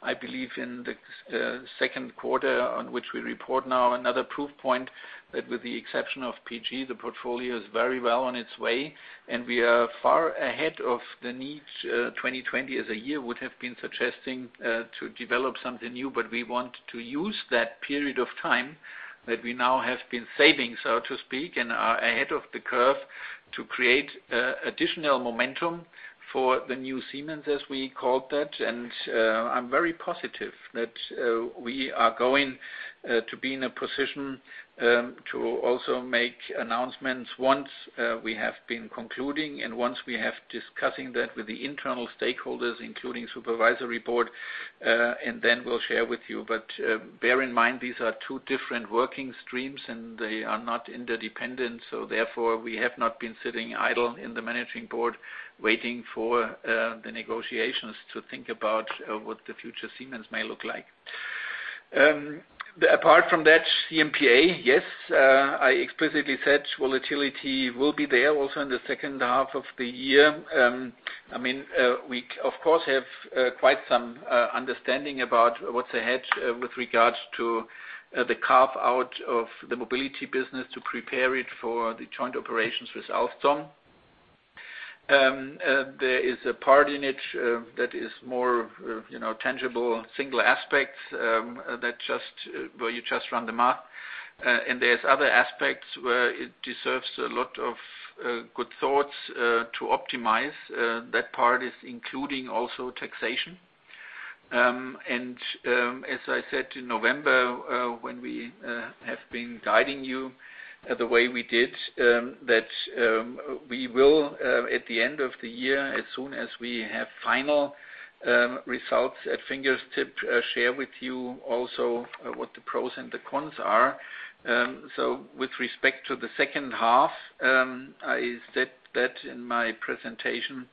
Speaker 3: I believe in the second quarter on which we report now, another proof point that with the exception of PG, the portfolio is very well on its way, and we are far ahead of the needs 2020 as a year would have been suggesting to develop something new. We want to use that period of time that we now have been saving, so to speak, and are ahead of the curve to create additional momentum for the new Siemens, as we called that. I'm very positive that we are going to be in a position to also make announcements once we have been concluding and once we have discussing that with the internal stakeholders, including supervisory board, and then we'll share with you. Bear in mind, these are two different working streams, and they are not interdependent. Therefore, we have not been sitting idle in the managing board waiting for the negotiations to think about what the future Siemens may look like. Apart from that, CMPA, yes, I explicitly said volatility will be there also in the second half of the year. We, of course, have quite some understanding about what's ahead with regards to the carve-out of the mobility business to prepare it for the joint operations with Alstom. There is a part in it that is more tangible, single aspects where you just run the math. There's other aspects where it deserves a lot of good thoughts to optimize. That part is including also taxation. As I said in November, when we have been guiding you the way we did, that we will, at the end of the year, as soon as we have final results at fingertip, share with you also what the pros and the cons are. With respect to the second half, I said that in my presentation,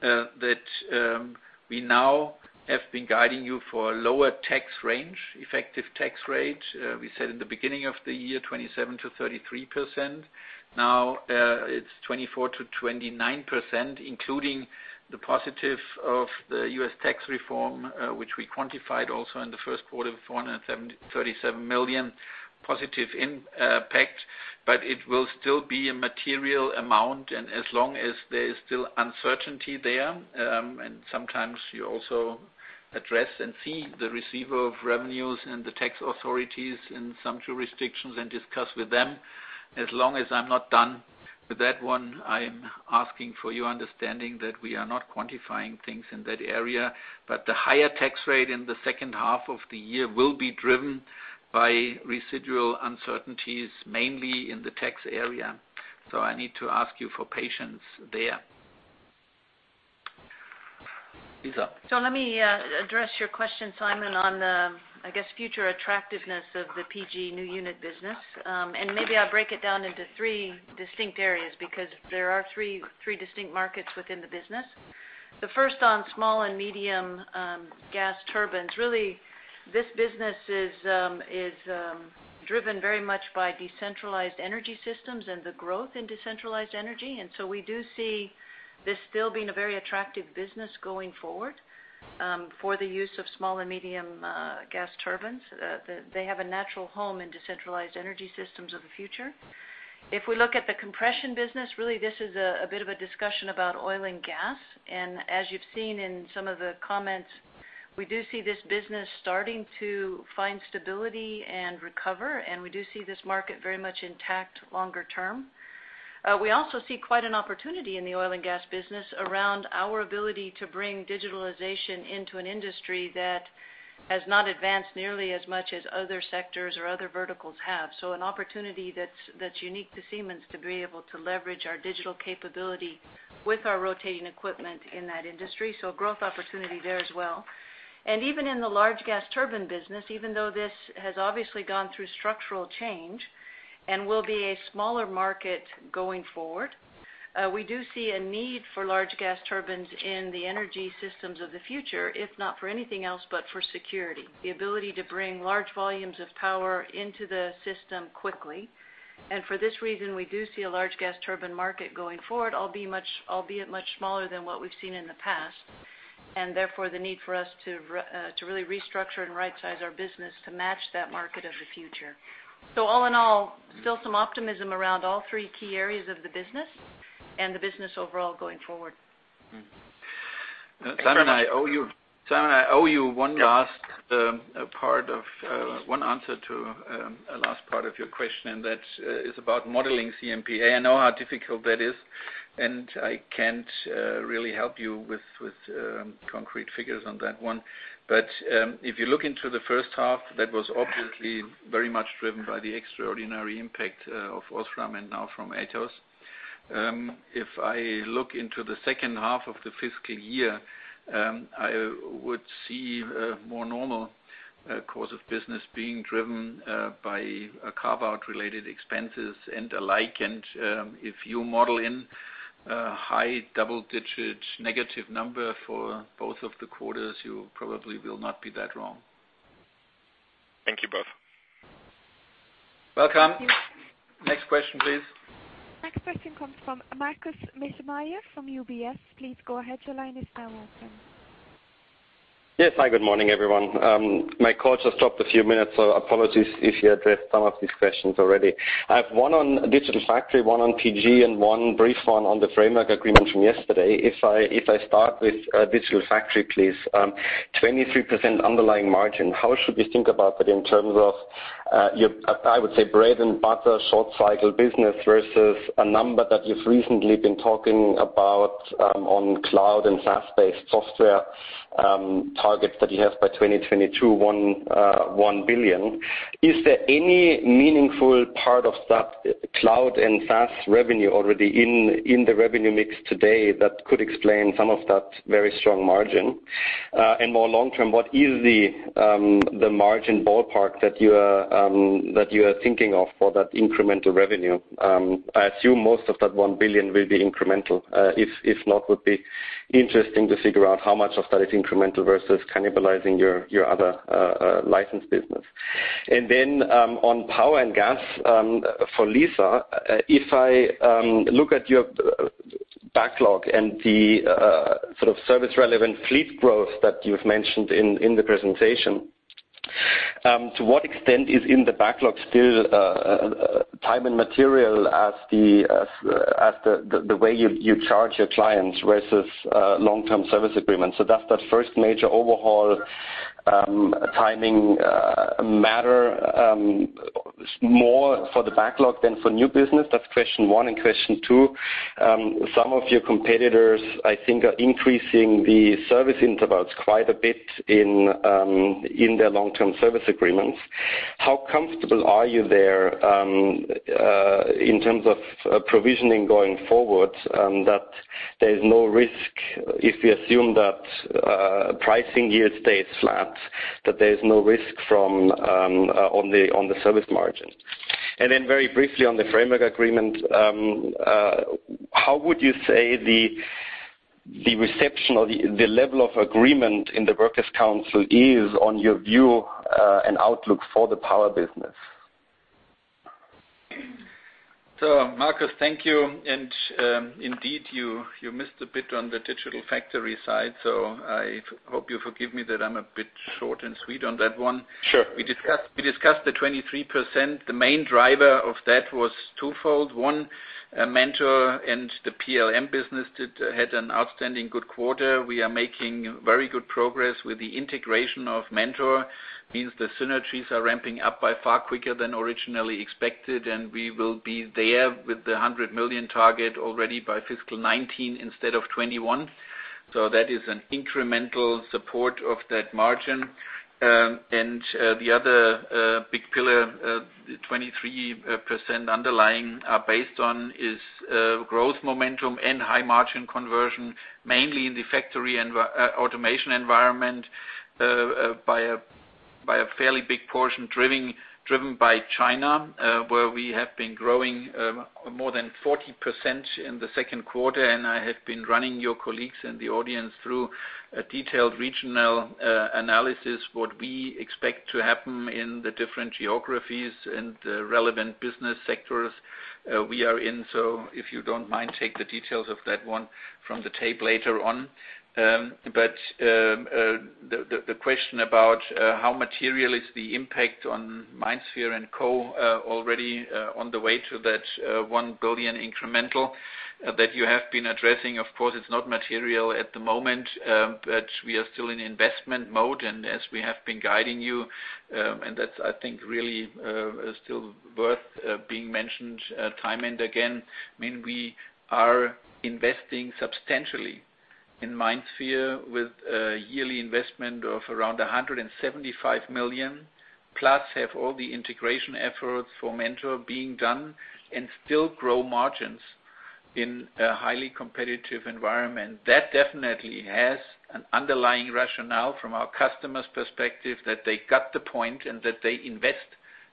Speaker 3: that we now have been guiding you for a lower effective tax rate. We said in the beginning of the year, 27%-33%. Now it's 24%-29%, including the positive of the U.S. tax reform, which we quantified also in the first quarter of 437 million positive impact. It will still be a material amount, and as long as there is still uncertainty there, and sometimes you also address and see the receiver of revenues and the tax authorities in some jurisdictions and discuss with them. As long as I'm not done with that one, I'm asking for your understanding that we are not quantifying things in that area. The higher tax rate in the second half of the year will be driven by residual uncertainties, mainly in the tax area. I need to ask you for patience there.
Speaker 4: Let me address your question, Simon, on the, I guess, future attractiveness of the PG new unit business. Maybe I'll break it down into three distinct areas because there are three distinct markets within the business. The first on small and medium gas turbines. This business is driven very much by decentralized energy systems and the growth in decentralized energy. We do see this still being a very attractive business going forward for the use of small and medium gas turbines. They have a natural home in decentralized energy systems of the future. If we look at the compression business, this is a bit of a discussion about oil and gas. As you've seen in some of the comments, we do see this business starting to find stability and recover, and we do see this market very much intact longer term. We also see quite an opportunity in the oil and gas business around our ability to bring digitalization into an industry that has not advanced nearly as much as other sectors or other verticals have. An opportunity that's unique to Siemens to be able to leverage our digital capability with our rotating equipment in that industry. Growth opportunity there as well. Even in the large gas turbine business, even though this has obviously gone through structural change and will be a smaller market going forward, we do see a need for large gas turbines in the energy systems of the future, if not for anything else, but for security. The ability to bring large volumes of power into the system quickly. For this reason, we do see a large gas turbine market going forward, albeit much smaller than what we've seen in the past. Therefore, the need for us to really restructure and right-size our business to match that market of the future. All in all, still some optimism around all three key areas of the business and the business overall going forward.
Speaker 3: Simon, I owe you one answer to a last part of your question, that is about modeling CMP. I know how difficult that is, and I can't really help you with concrete figures on that one. If you look into the first half, that was obviously very much driven by the extraordinary impact of Osram and now from Atos. If I look into the second half of the fiscal year, I would see a more normal course of business being driven by carve-out related expenses and the like. If you model in a high double-digit negative number for both of the quarters, you probably will not be that wrong.
Speaker 9: Thank you both.
Speaker 3: Welcome. Next question, please.
Speaker 1: Next question comes from Markus Mittermaier from UBS. Please go ahead. Your line is now open.
Speaker 10: Yes. Hi, good morning, everyone. My call just dropped a few minutes, so apologies if you addressed some of these questions already. I have one on Digital Factory, one on PG, and one brief one on the framework agreement from yesterday. If I start with Digital Factory, please. 23% underlying margin. How should we think about that in terms of your, I would say, bread and butter short cycle business versus a number that you've recently been talking about on cloud and SaaS-based software targets that you have by 2022, 1 billion. Is there any meaningful part of that cloud and SaaS revenue already in the revenue mix today that could explain some of that very strong margin? More long-term, what is the margin ballpark that you are thinking of for that incremental revenue? I assume most of that 1 billion will be incremental. If not, would be interesting to figure out how much of that is incremental versus cannibalizing your other licensed business. On Power and Gas, for Lisa, if I look at your backlog and the sort of service relevant fleet growth that you've mentioned in the presentation, to what extent is in the backlog still time and material as the way you charge your clients versus long-term service agreements? Does that first major overhaul timing matter more for the backlog than for new business? That's question one and question two. Some of your competitors, I think, are increasing the service intervals quite a bit in their long-term service agreements. How comfortable are you there in terms of provisioning going forward, that there's no risk if we assume that pricing here stays flat, that there's no risk on the service margin? Very briefly on the framework agreement, how would you say the reception or the level of agreement in the Workers' Council is on your view and outlook for the power business?
Speaker 3: Markus, thank you. Indeed, you missed a bit on the Digital Factory side, I hope you forgive me that I'm a bit short and sweet on that one.
Speaker 10: Sure.
Speaker 3: We discussed the 23%. The main driver of that was twofold. One, Mentor and the PLM business had an outstanding good quarter. We are making very good progress with the integration of Mentor. Means the synergies are ramping up by far quicker than originally expected, and we will be there with the 100 million target already by fiscal 2019 instead of 2021. That is an incremental support of that margin. The other big pillar, 23% underlying are based on is growth momentum and high margin conversion, mainly in the factory and automation environment by a fairly big portion driven by China, where we have been growing more than 40% in the second quarter, and I have been running your colleagues and the audience through a detailed regional analysis, what we expect to happen in the different geographies and the relevant business sectors we are in. If you don't mind, take the details of that one from the tape later on. The question about how material is the impact on MindSphere and co already on the way to that 1 billion incremental that you have been addressing. Of course, it's not material at the moment, but we are still in investment mode, and as we have been guiding you, and that's, I think, really still worth being mentioned time and again. We are investing substantially in MindSphere with a yearly investment of around 175 million, plus have all the integration efforts for Mentor being done, and still grow margins in a highly competitive environment. That definitely has an underlying rationale from our customers' perspective that they got the point, and that they invest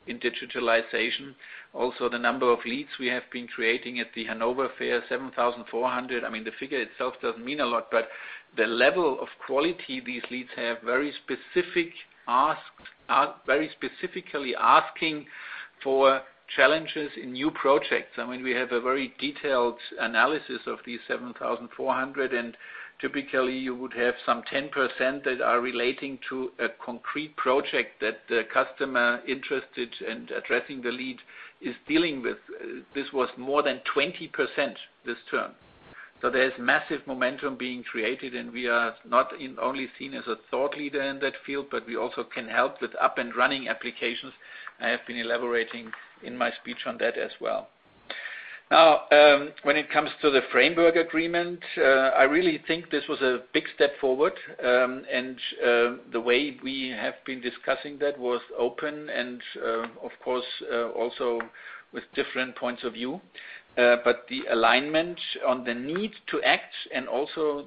Speaker 3: in digitalization. The number of leads we have been creating at the Hannover Messe, 7,400. The figure itself doesn't mean a lot, the level of quality these leads have very specifically asking for challenges in new projects. We have a very detailed analysis of these 7,400, and typically you would have some 10% that are relating to a concrete project that the customer interested and addressing the lead is dealing with. This was more than 20% this term. There's massive momentum being created, and we are not only seen as a thought leader in that field, but we also can help with up and running applications. I have been elaborating in my speech on that as well. When it comes to the framework agreement, I really think this was a big step forward, and the way we have been discussing that was open and, of course, also with different points of view. The alignment on the need to act and also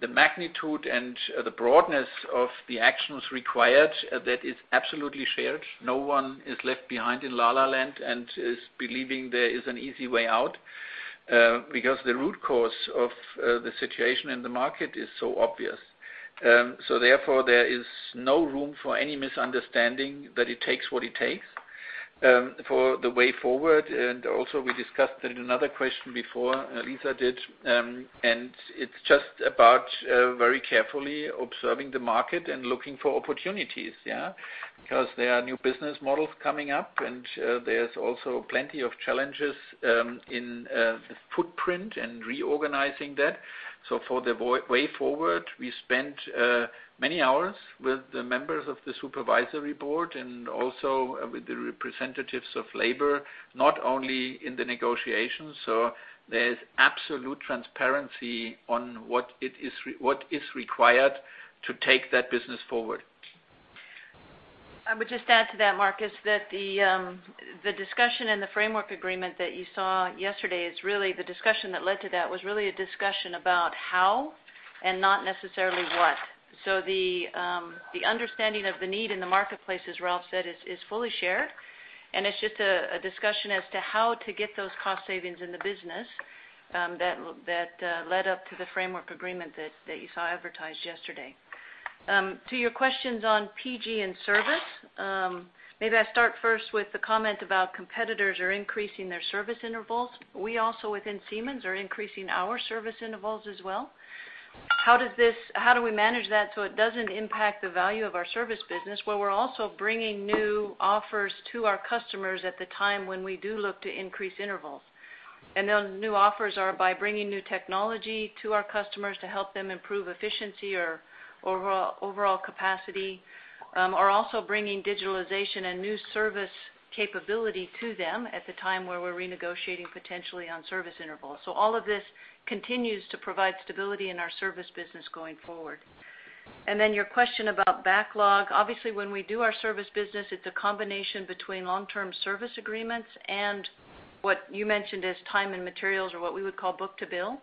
Speaker 3: the magnitude and the broadness of the actions required, that is absolutely shared. No one is left behind in Lala Land and is believing there is an easy way out, because the root cause of the situation in the market is so obvious. Therefore, there is no room for any misunderstanding that it takes what it takes for the way forward. We discussed in another question before, Lisa did, and it's just about very carefully observing the market and looking for opportunities. There are new business models coming up, and there's also plenty of challenges in footprint and reorganizing that. For the way forward, we spent many hours with the members of the supervisory board and also with the representatives of labor, not only in the negotiations. There's absolute transparency on what is required to take that business forward.
Speaker 4: I would just add to that, Markus, that the discussion and the framework agreement that you saw yesterday is really the discussion that led to that was really a discussion about how and not necessarily what. The understanding of the need in the marketplace, as Ralf said, is fully shared, and it's just a discussion as to how to get those cost savings in the business that led up to the framework agreement that you saw advertised yesterday. To your questions on PG and service, maybe I start first with the comment about competitors are increasing their service intervals. We also within Siemens are increasing our service intervals as well. How do we manage that so it doesn't impact the value of our service business? Well, we're also bringing new offers to our customers at the time when we do look to increase intervals. Those new offers are by bringing new technology to our customers to help them improve efficiency or overall capacity, or also bringing digitalization and new service capability to them at the time where we're renegotiating potentially on service intervals. All of this continues to provide stability in our service business going forward. Your question about backlog. Obviously, when we do our service business, it's a combination between long-term service agreements and what you mentioned as time and materials, or what we would call book-to-bill.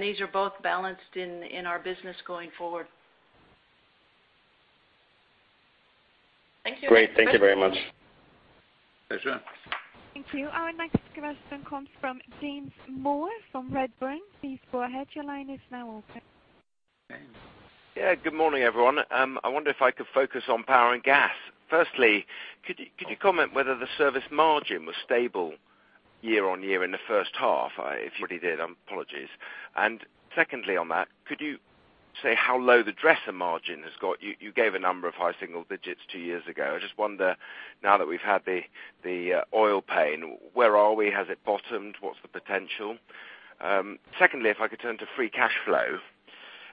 Speaker 4: These are both balanced in our business going forward. Thank you.
Speaker 10: Great. Thank you very much.
Speaker 3: Pleasure.
Speaker 1: Thank you. Our next question comes from James Moore from Redburn. Please go ahead. Your line is now open.
Speaker 2: James.
Speaker 11: Yeah. Good morning, everyone. I wonder if I could focus on Power and Gas. Firstly, could you comment whether the service margin was stable year-over-year in the first half? If you already did, apologies. Secondly on that, could you say how low the Dresser margin has got? You gave a number of high single digits two years ago. I just wonder now that we've had the oil pain, where are we? Has it bottomed? What's the potential? Secondly, if I could turn to free cash flow.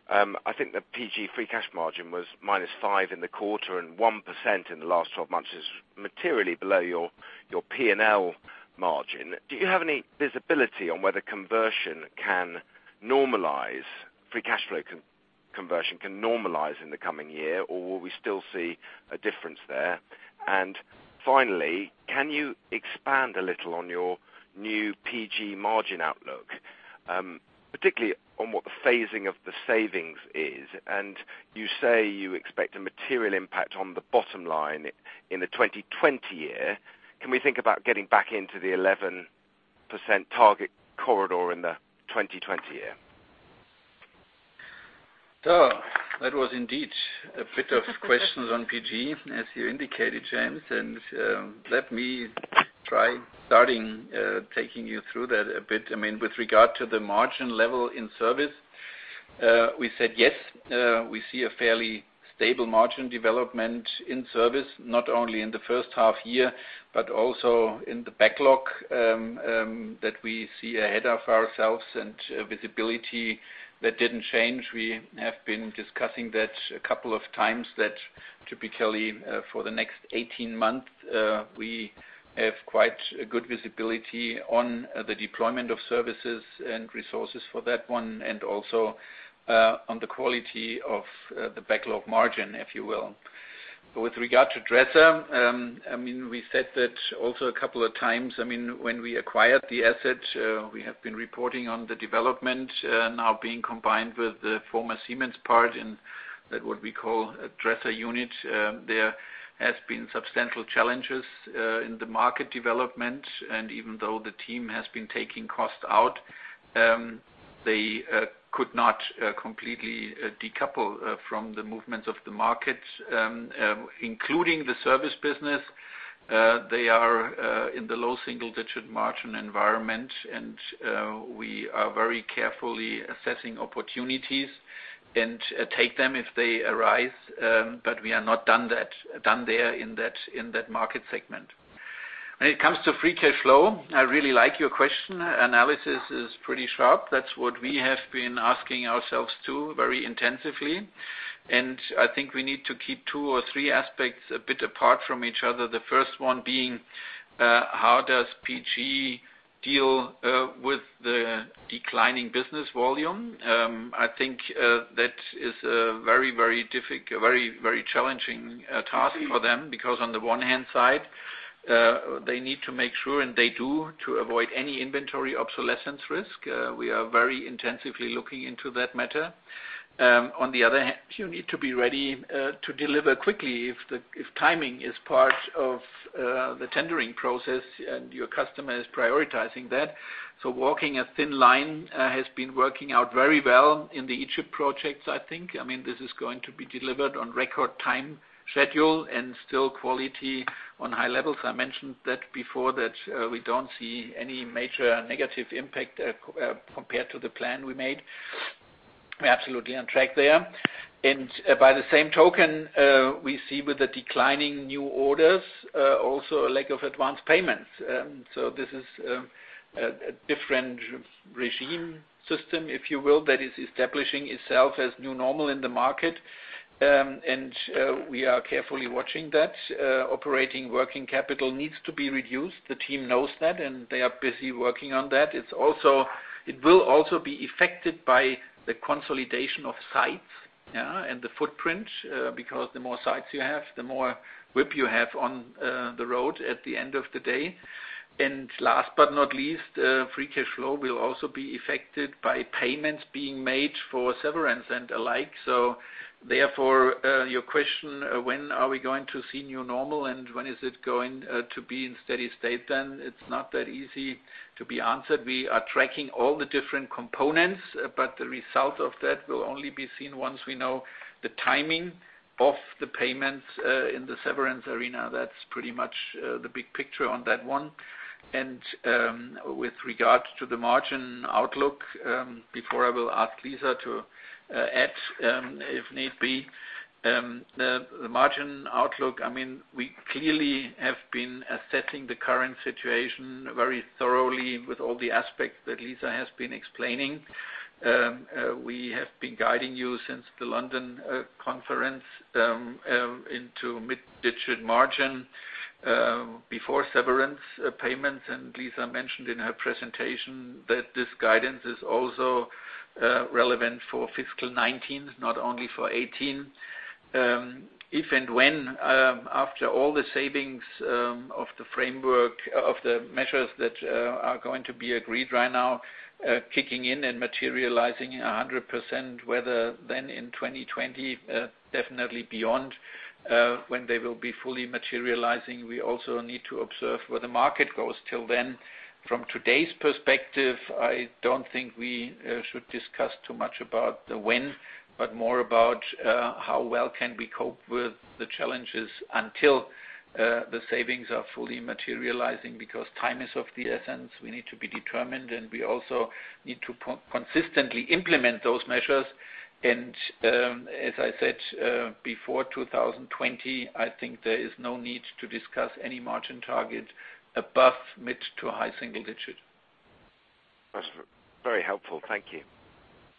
Speaker 11: I think the PG free cash margin was -5% in the quarter and 1% in the last 12 months is materially below your P&L margin. Do you have any visibility on whether conversion can normalize, free cash flow conversion can normalize in the coming year, or will we still see a difference there? Finally, can you expand a little on your new PG margin outlook, particularly on what the phasing of the savings is? You say you expect a material impact on the bottom line in the 2020 year. Can we think about getting back into the 11% target corridor in the 2020 year?
Speaker 3: That was indeed a bit of questions on PG, as you indicated, James. Let me try starting taking you through that a bit. With regard to the margin level in service, we said, yes, we see a fairly stable margin development in service, not only in the first half year, but also in the backlog that we see ahead of ourselves and visibility that didn't change. We have been discussing that a couple of times, that typically for the next 18 months we have quite a good visibility on the deployment of services and resources for that one and also on the quality of the backlog margin, if you will. With regard to Dresser, we said that also a couple of times. When we acquired the asset, we have been reporting on the development now being combined with the former Siemens part in that what we call a Dresser unit. There has been substantial challenges in the market development. Even though the team has been taking cost out, they could not completely decouple from the movements of the market including the service business. They are in the low single-digit margin environment, and we are very carefully assessing opportunities and take them if they arise. We are not done there in that market segment. When it comes to free cash flow, I really like your question. Analysis is pretty sharp. That's what we have been asking ourselves, too, very intensively. I think we need to keep two or three aspects a bit apart from each other. The first one being, how does PG deal with the declining business volume? I think that is a very challenging task for them because on the one-hand side, they need to make sure, and they do, to avoid any inventory obsolescence risk. We are very intensively looking into that matter. On the other hand, you need to be ready to deliver quickly if timing is part of the tendering process and your customer is prioritizing that. Walking a thin line has been working out very well in the Egypt projects, I think. This is going to be delivered on record time schedule and still quality on high levels. I mentioned that before, that we don't see any major negative impact compared to the plan we made. We're absolutely on track there. By the same token, we see with the declining new orders also a lack of advance payments. This is a different regime system, if you will, that is establishing itself as new normal in the market, and we are carefully watching that. Operating working capital needs to be reduced. The team knows that, and they are busy working on that. It will also be affected by the consolidation of sites and the footprint because the more sites you have, the more WIP you have on the road at the end of the day. Last but not least, free cash flow will also be affected by payments being made for severance and the like. Therefore, your question, when are we going to see new normal and when is it going to be in steady state then? It's not that easy to be answered. We are tracking all the different components, but the result of that will only be seen once we know the timing of the payments in the severance arena. That's pretty much the big picture on that one. With regard to the margin outlook, before I will ask Lisa to add if need be, the margin outlook, we clearly have been assessing the current situation very thoroughly with all the aspects that Lisa has been explaining. We have been guiding you since the London conference into mid-digit margin before severance payments. Lisa mentioned in her presentation that this guidance is also relevant for fiscal 2019, not only for 2018. If and when, after all the savings of the framework of the measures that are going to be agreed right now kicking in and materializing 100%, whether then in 2020, definitely beyond when they will be fully materializing. We also need to observe where the market goes till then. From today's perspective, I don't think we should discuss too much about the when, but more about how well can we cope with the challenges until the savings are fully materializing because time is of the essence. We need to be determined, and we also need to consistently implement those measures. As I said before 2020, I think there is no need to discuss any margin target above mid to high single digit.
Speaker 11: Very helpful. Thank you.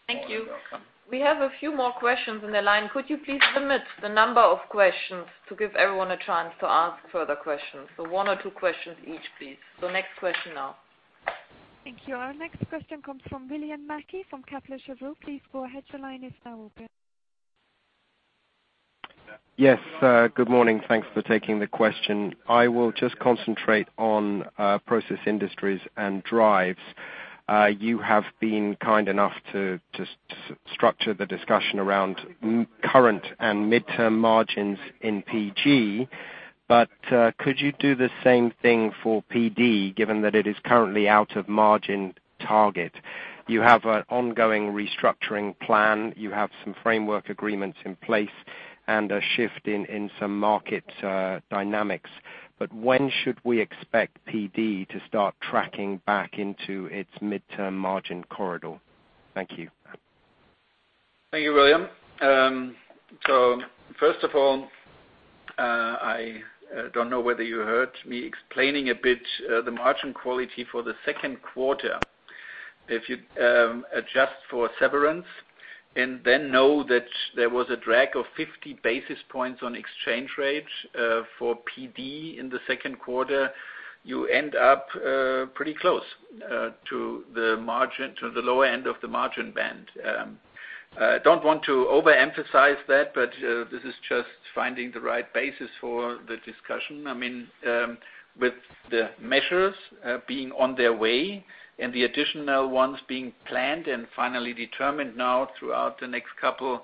Speaker 2: Thank you.
Speaker 3: You're welcome.
Speaker 2: We have a few more questions in the line. Could you please limit the number of questions to give everyone a chance to ask further questions? One or two questions each, please. The next question now.
Speaker 1: Thank you. Our next question comes from William Mackie from Kepler Cheuvreux. Please go ahead, your line is now open.
Speaker 12: Yes. Good morning. Thanks for taking the question. I will just concentrate on Process Industries and Drives. You have been kind enough to structure the discussion around current and midterm margins in PG, but could you do the same thing for PD, given that it is currently out of margin target? You have an ongoing restructuring plan, you have some framework agreements in place and a shift in some market dynamics. When should we expect PD to start tracking back into its midterm margin corridor? Thank you.
Speaker 3: Thank you, William. First of all, I don't know whether you heard me explaining a bit the margin quality for the second quarter. If you adjust for severance and then know that there was a drag of 50 basis points on exchange rates for PD in the second quarter, you end up pretty close to the lower end of the margin band. Don't want to overemphasize that, but this is just finding the right basis for the discussion. With the measures being on their way and the additional ones being planned and finally determined now throughout the next couple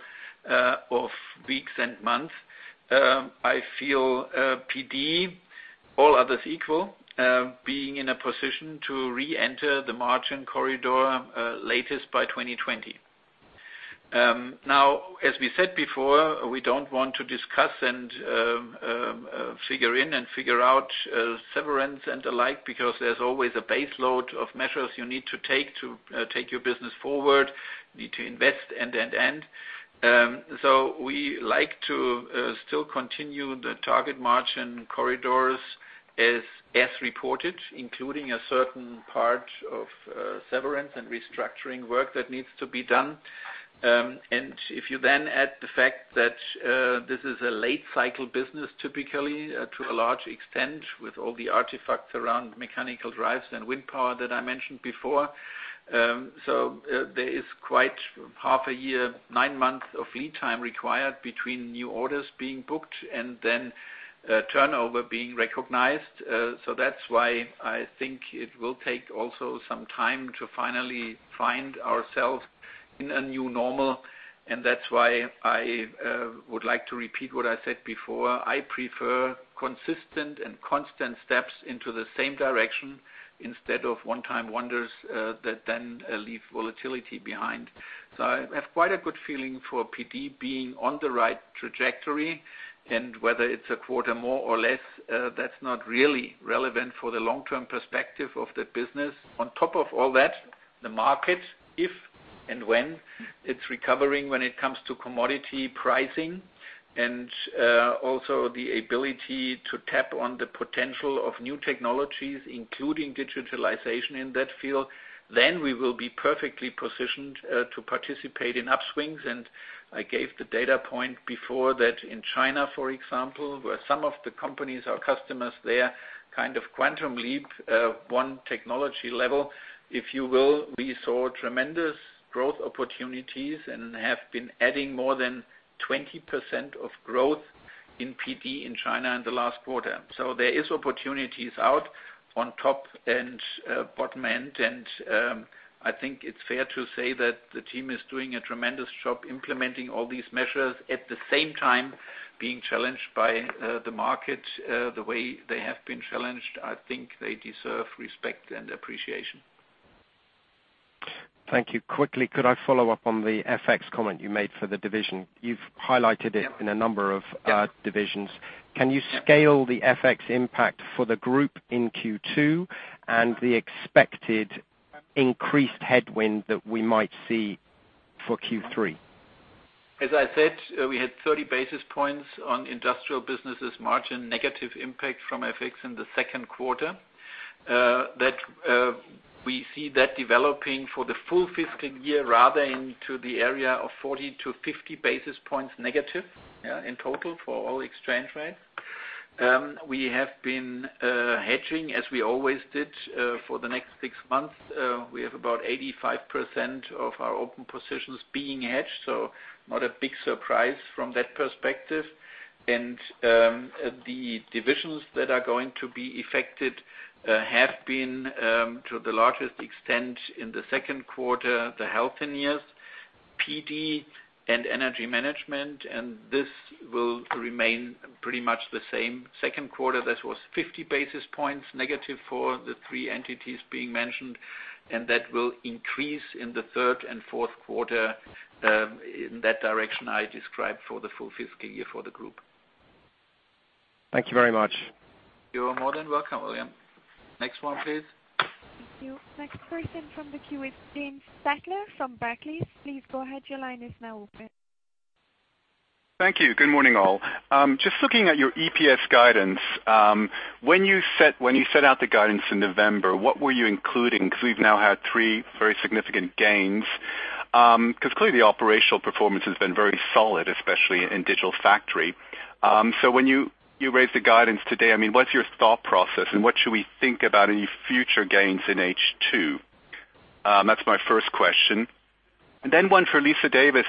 Speaker 3: of weeks and months, I feel PD, all others equal, being in a position to reenter the margin corridor, latest by 2020. As we said before, we don't want to discuss and figure in and figure out severance and the like, because there's always a base load of measures you need to take to take your business forward. You need to invest, and. We like to still continue the target margin corridors as reported, including a certain part of severance and restructuring work that needs to be done. If you then add the fact that this is a late-cycle business, typically, to a large extent, with all the artifacts around mechanical drives and wind power that I mentioned before. There is quite half a year, nine months of lead time required between new orders being booked and then turnover being recognized. That's why I think it will take also some time to finally find ourselves in a new normal. That's why I would like to repeat what I said before. I prefer consistent and constant steps into the same direction instead of one-time wonders that then leave volatility behind. I have quite a good feeling for PD being on the right trajectory. Whether it's a quarter more or less, that's not really relevant for the long-term perspective of the business. On top of all that, the market, if and when it's recovering, when it comes to commodity pricing and also the ability to tap on the potential of new technologies, including digitalization in that field, then we will be perfectly positioned to participate in upswings. I gave the data point before that in China, for example, where some of the companies or customers there kind of quantum leap 1 technology level, if you will, we saw tremendous growth opportunities and have been adding more than 20% of growth in PD in China in the last quarter. There is opportunities out on top and bottom end. I think it's fair to say that the team is doing a tremendous job implementing all these measures. At the same time being challenged by the market, the way they have been challenged. I think they deserve respect and appreciation.
Speaker 12: Thank you. Quickly, could I follow up on the FX comment you made for the division? You've highlighted it.
Speaker 3: Yeah
Speaker 12: in a number of-
Speaker 3: Yeah
Speaker 12: divisions. Can you scale the FX impact for the group in Q2 and the expected increased headwind that we might see for Q3?
Speaker 3: As I said, we had 30 basis points on industrial businesses margin negative impact from FX in the second quarter. We see that developing for the full fiscal year rather into the area of 40 to 50 basis points negative, yeah, in total for all exchange rates. We have been hedging, as we always did, for the next six months. We have about 85% of our open positions being hedged, so not a big surprise from that perspective. The divisions that are going to be affected have been, to the largest extent in the second quarter, the Siemens Healthineers, PD and Energy Management, and this will remain pretty much the same. Second quarter, that was 50 basis points negative for the three entities being mentioned, and that will increase in the third and fourth quarter in that direction I described for the full fiscal year for the group.
Speaker 12: Thank you very much.
Speaker 3: You are more than welcome, William. Next one, please.
Speaker 1: Thank you. Next person from the queue is James Stettler from Barclays. Please go ahead. Your line is now open.
Speaker 13: Thank you. Good morning, all. Just looking at your EPS guidance. When you set out the guidance in November, what were you including? We've now had three very significant gains. Clearly, the operational performance has been very solid, especially in Digital Factory. When you raise the guidance today, what's your thought process and what should we think about any future gains in H2? That's my first question. One for Lisa Davis.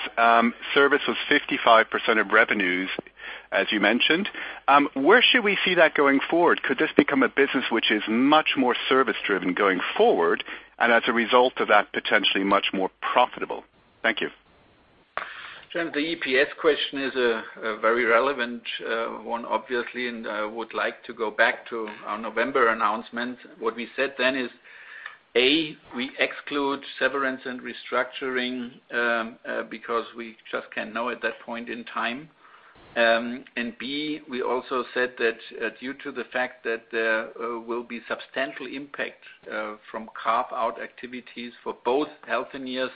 Speaker 13: Service was 55% of revenues, as you mentioned. Where should we see that going forward? Could this become a business which is much more service-driven going forward, and as a result of that, potentially much more profitable? Thank you.
Speaker 3: James, the EPS question is a very relevant one, obviously, and I would like to go back to our November announcement. What we said then is, A, we exclude severance and restructuring because we just can't know at that point in time. B, we also said that due to the fact that there will be substantial impact from carve-out activities for both Healthineers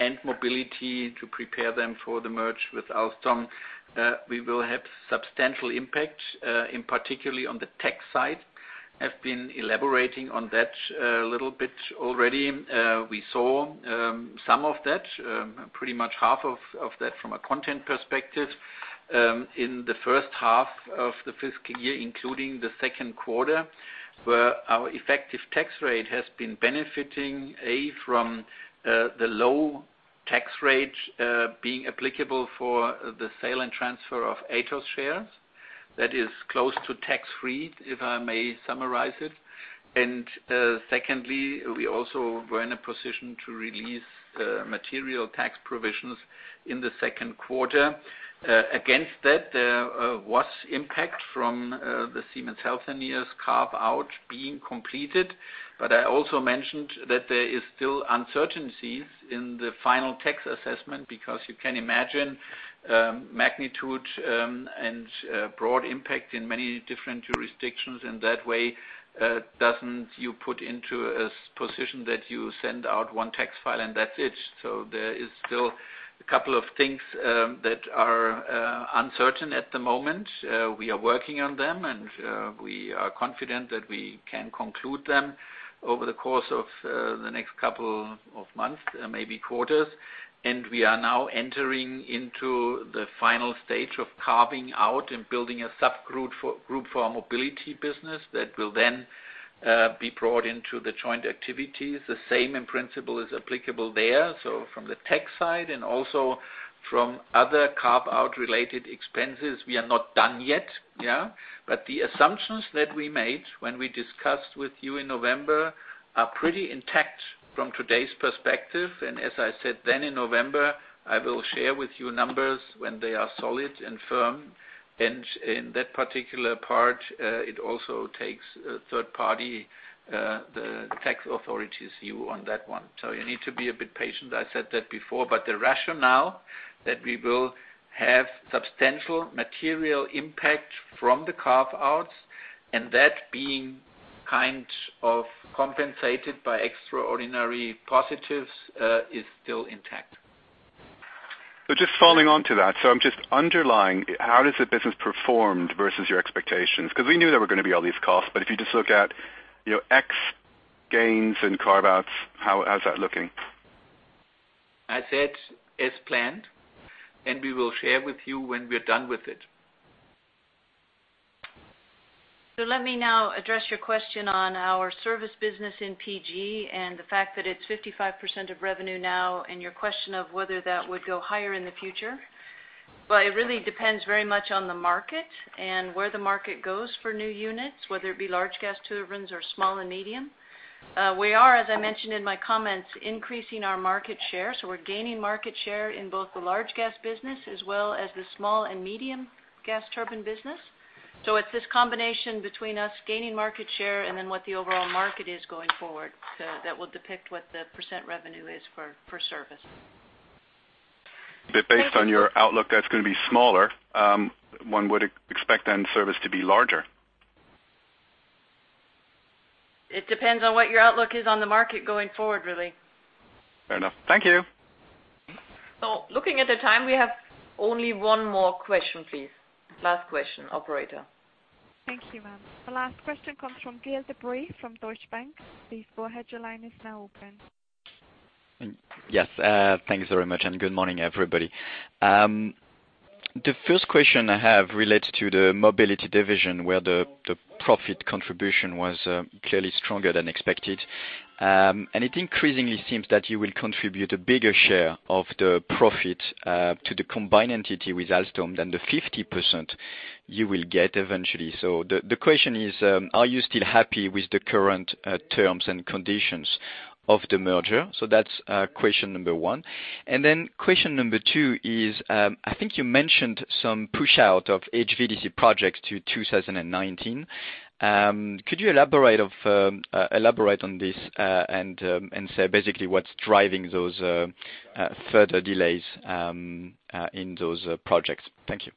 Speaker 3: and Mobility to prepare them for the merge with Alstom, we will have substantial impact in particularly on the tech side. I've been elaborating on that a little bit already. We saw some of that, pretty much half of that from a content perspective, in the first half of the fiscal year, including the second quarter, where our effective tax rate has been benefiting, A, from the low tax rate being applicable for the sale and transfer of Atos shares. That is close to tax-free, if I may summarize it. Secondly, we also were in a position to release material tax provisions in the second quarter. Against that, there was impact from the Siemens Healthineers carve-out being completed. I also mentioned that there is still uncertainties in the final tax assessment because you can imagine magnitude and broad impact in many different jurisdictions, and that way, doesn't you put into a position that you send out one tax file and that's it. There is still a couple of things that are uncertain at the moment. We are working on them, and we are confident that we can conclude them over the course of the next couple of months, maybe quarters. We are now entering into the final stage of carving out and building a subgroup for our Mobility business that will then be brought into the joint activities. The same, in principle, is applicable there. From the tech side and also from other carve-out related expenses, we are not done yet. The assumptions that we made when we discussed with you in November are pretty intact from today's perspective. As I said then in November, I will share with you numbers when they are solid and firm. In that particular part, it also takes a third party, the tax authority's view on that one. You need to be a bit patient. I said that before, the rationale that we will have substantial material impact from the carve-outs and that being kind of compensated by extraordinary positives, is still intact.
Speaker 13: Just following on to that. I'm just underlying how does the business performed versus your expectations? We knew there were going to be all these costs, if you just look at ex gains and carve-outs, how's that looking?
Speaker 3: I said, as planned, we will share with you when we're done with it.
Speaker 4: Let me now address your question on our service business in Power and Gas and the fact that it's 55% of revenue now and your question of whether that would go higher in the future. It really depends very much on the market and where the market goes for new units, whether it be large gas turbines or small and medium. We are, as I mentioned in my comments, increasing our market share. We're gaining market share in both the large gas business as well as the small and medium gas turbine business. It's this combination between us gaining market share and then what the overall market is going forward that will depict what the % revenue is for service.
Speaker 13: Based on your outlook, that's going to be smaller. One would expect then service to be larger.
Speaker 4: It depends on what your outlook is on the market going forward, really.
Speaker 13: Fair enough. Thank you.
Speaker 2: Looking at the time, we have only one more question, please. Last question, operator.
Speaker 1: Thank you, ma'am. The last question comes from Gael de-Bray from Deutsche Bank. Please go ahead, your line is now open.
Speaker 14: Yes. Thanks very much, and good morning, everybody. The first question I have relates to the Mobility division, where the profit contribution was clearly stronger than expected. It increasingly seems that you will contribute a bigger share of the profit to the combined entity with Alstom than the 50% you will get eventually. The question is, are you still happy with the current terms and conditions of the merger? That's question number 1. Question number 2 is, I think you mentioned some push-out of HVDC projects to 2019. Could you elaborate on this, and say basically what's driving those further delays in those projects? Thank you.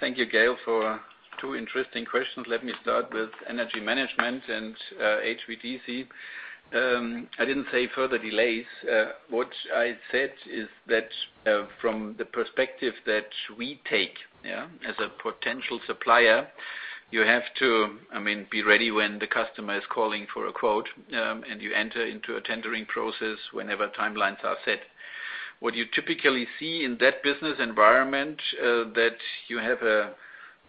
Speaker 3: Thank you, Gael, for two interesting questions. Let me start with Energy Management and HVDC. I didn't say further delays. What I said is that from the perspective that we take, yeah, as a potential supplier, you have to be ready when the customer is calling for a quote, and you enter into a tendering process whenever timelines are set. What you typically see in that business environment, that you have a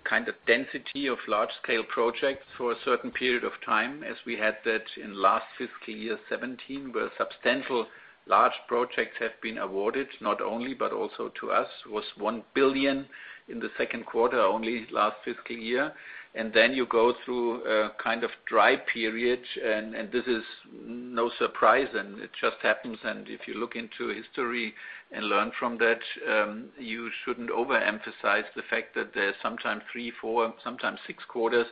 Speaker 3: kind of density of large-scale projects for a certain period of time, as we had that in last fiscal year 2017, where substantial large projects have been awarded, not only but also to us, was 1 billion in the second quarter only last fiscal year. You go through a kind of dry period, and this is no surprise, and it just happens. If you look into history and learn from that, you shouldn't overemphasize the fact that there's sometimes three, four, sometimes six quarters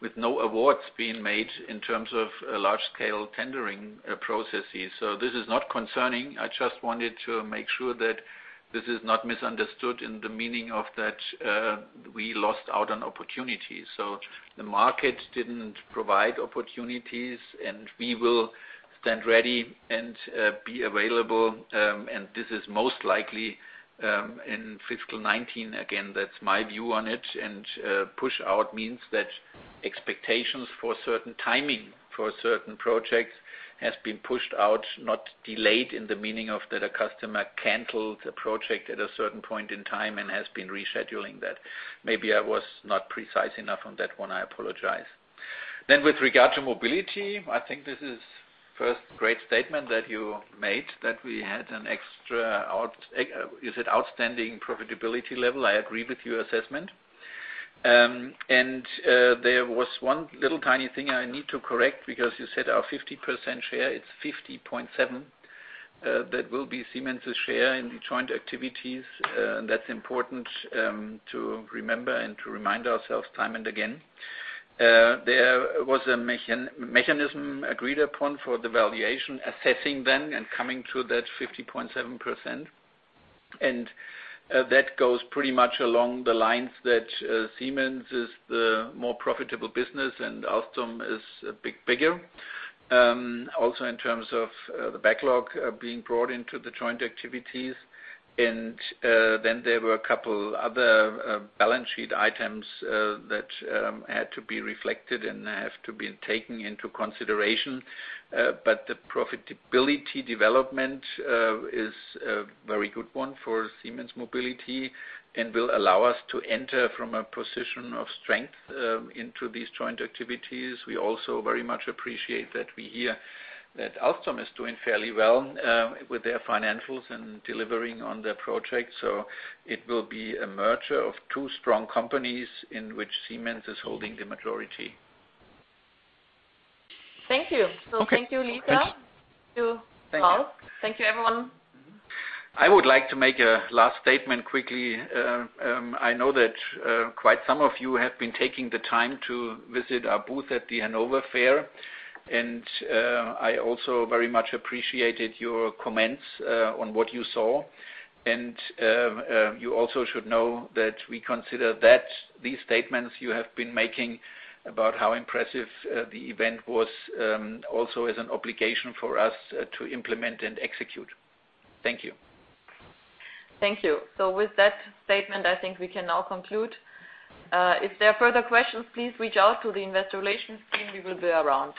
Speaker 3: with no awards being made in terms of large-scale tendering processes. This is not concerning. I just wanted to make sure that this is not misunderstood in the meaning of that we lost out on opportunities. The market didn't provide opportunities, and we will stand ready and be available, and this is most likely in fiscal 2019. Again, that's my view on it. Push out means that expectations for certain timing for certain projects has been pushed out, not delayed in the meaning of that a customer canceled the project at a certain point in time and has been rescheduling that. Maybe I was not precise enough on that one. I apologize. With regard to Mobility, I think this is, first, great statement that you made, that we had an outstanding profitability level. I agree with your assessment. There was one little tiny thing I need to correct because you said our 50% share, it's 50.7%. That will be Siemens' share in the joint activities. That's important to remember and to remind ourselves time and again. There was a mechanism agreed upon for the valuation assessing then and coming to that 50.7%. That goes pretty much along the lines that Siemens is the more profitable business and Alstom is a bit bigger. Also in terms of the backlog being brought into the joint activities. There were a couple other balance sheet items that had to be reflected and have to be taken into consideration. The profitability development is a very good one for Siemens Mobility and will allow us to enter from a position of strength into these joint activities. We also very much appreciate that we hear that Alstom is doing fairly well with their financials and delivering on their projects. It will be a merger of two strong companies in which Siemens is holding the majority.
Speaker 2: Thank you.
Speaker 3: Okay.
Speaker 2: Thank you, Lisa. To Paul. Thank you, everyone.
Speaker 3: I would like to make a last statement quickly. I know that quite some of you have been taking the time to visit our booth at the Hannover Messe, and I also very much appreciated your comments on what you saw. You also should know that we consider these statements you have been making about how impressive the event was also as an obligation for us to implement and execute. Thank you.
Speaker 2: Thank you. With that statement, I think we can now conclude. If there are further questions, please reach out to the investor relations team. We will be around.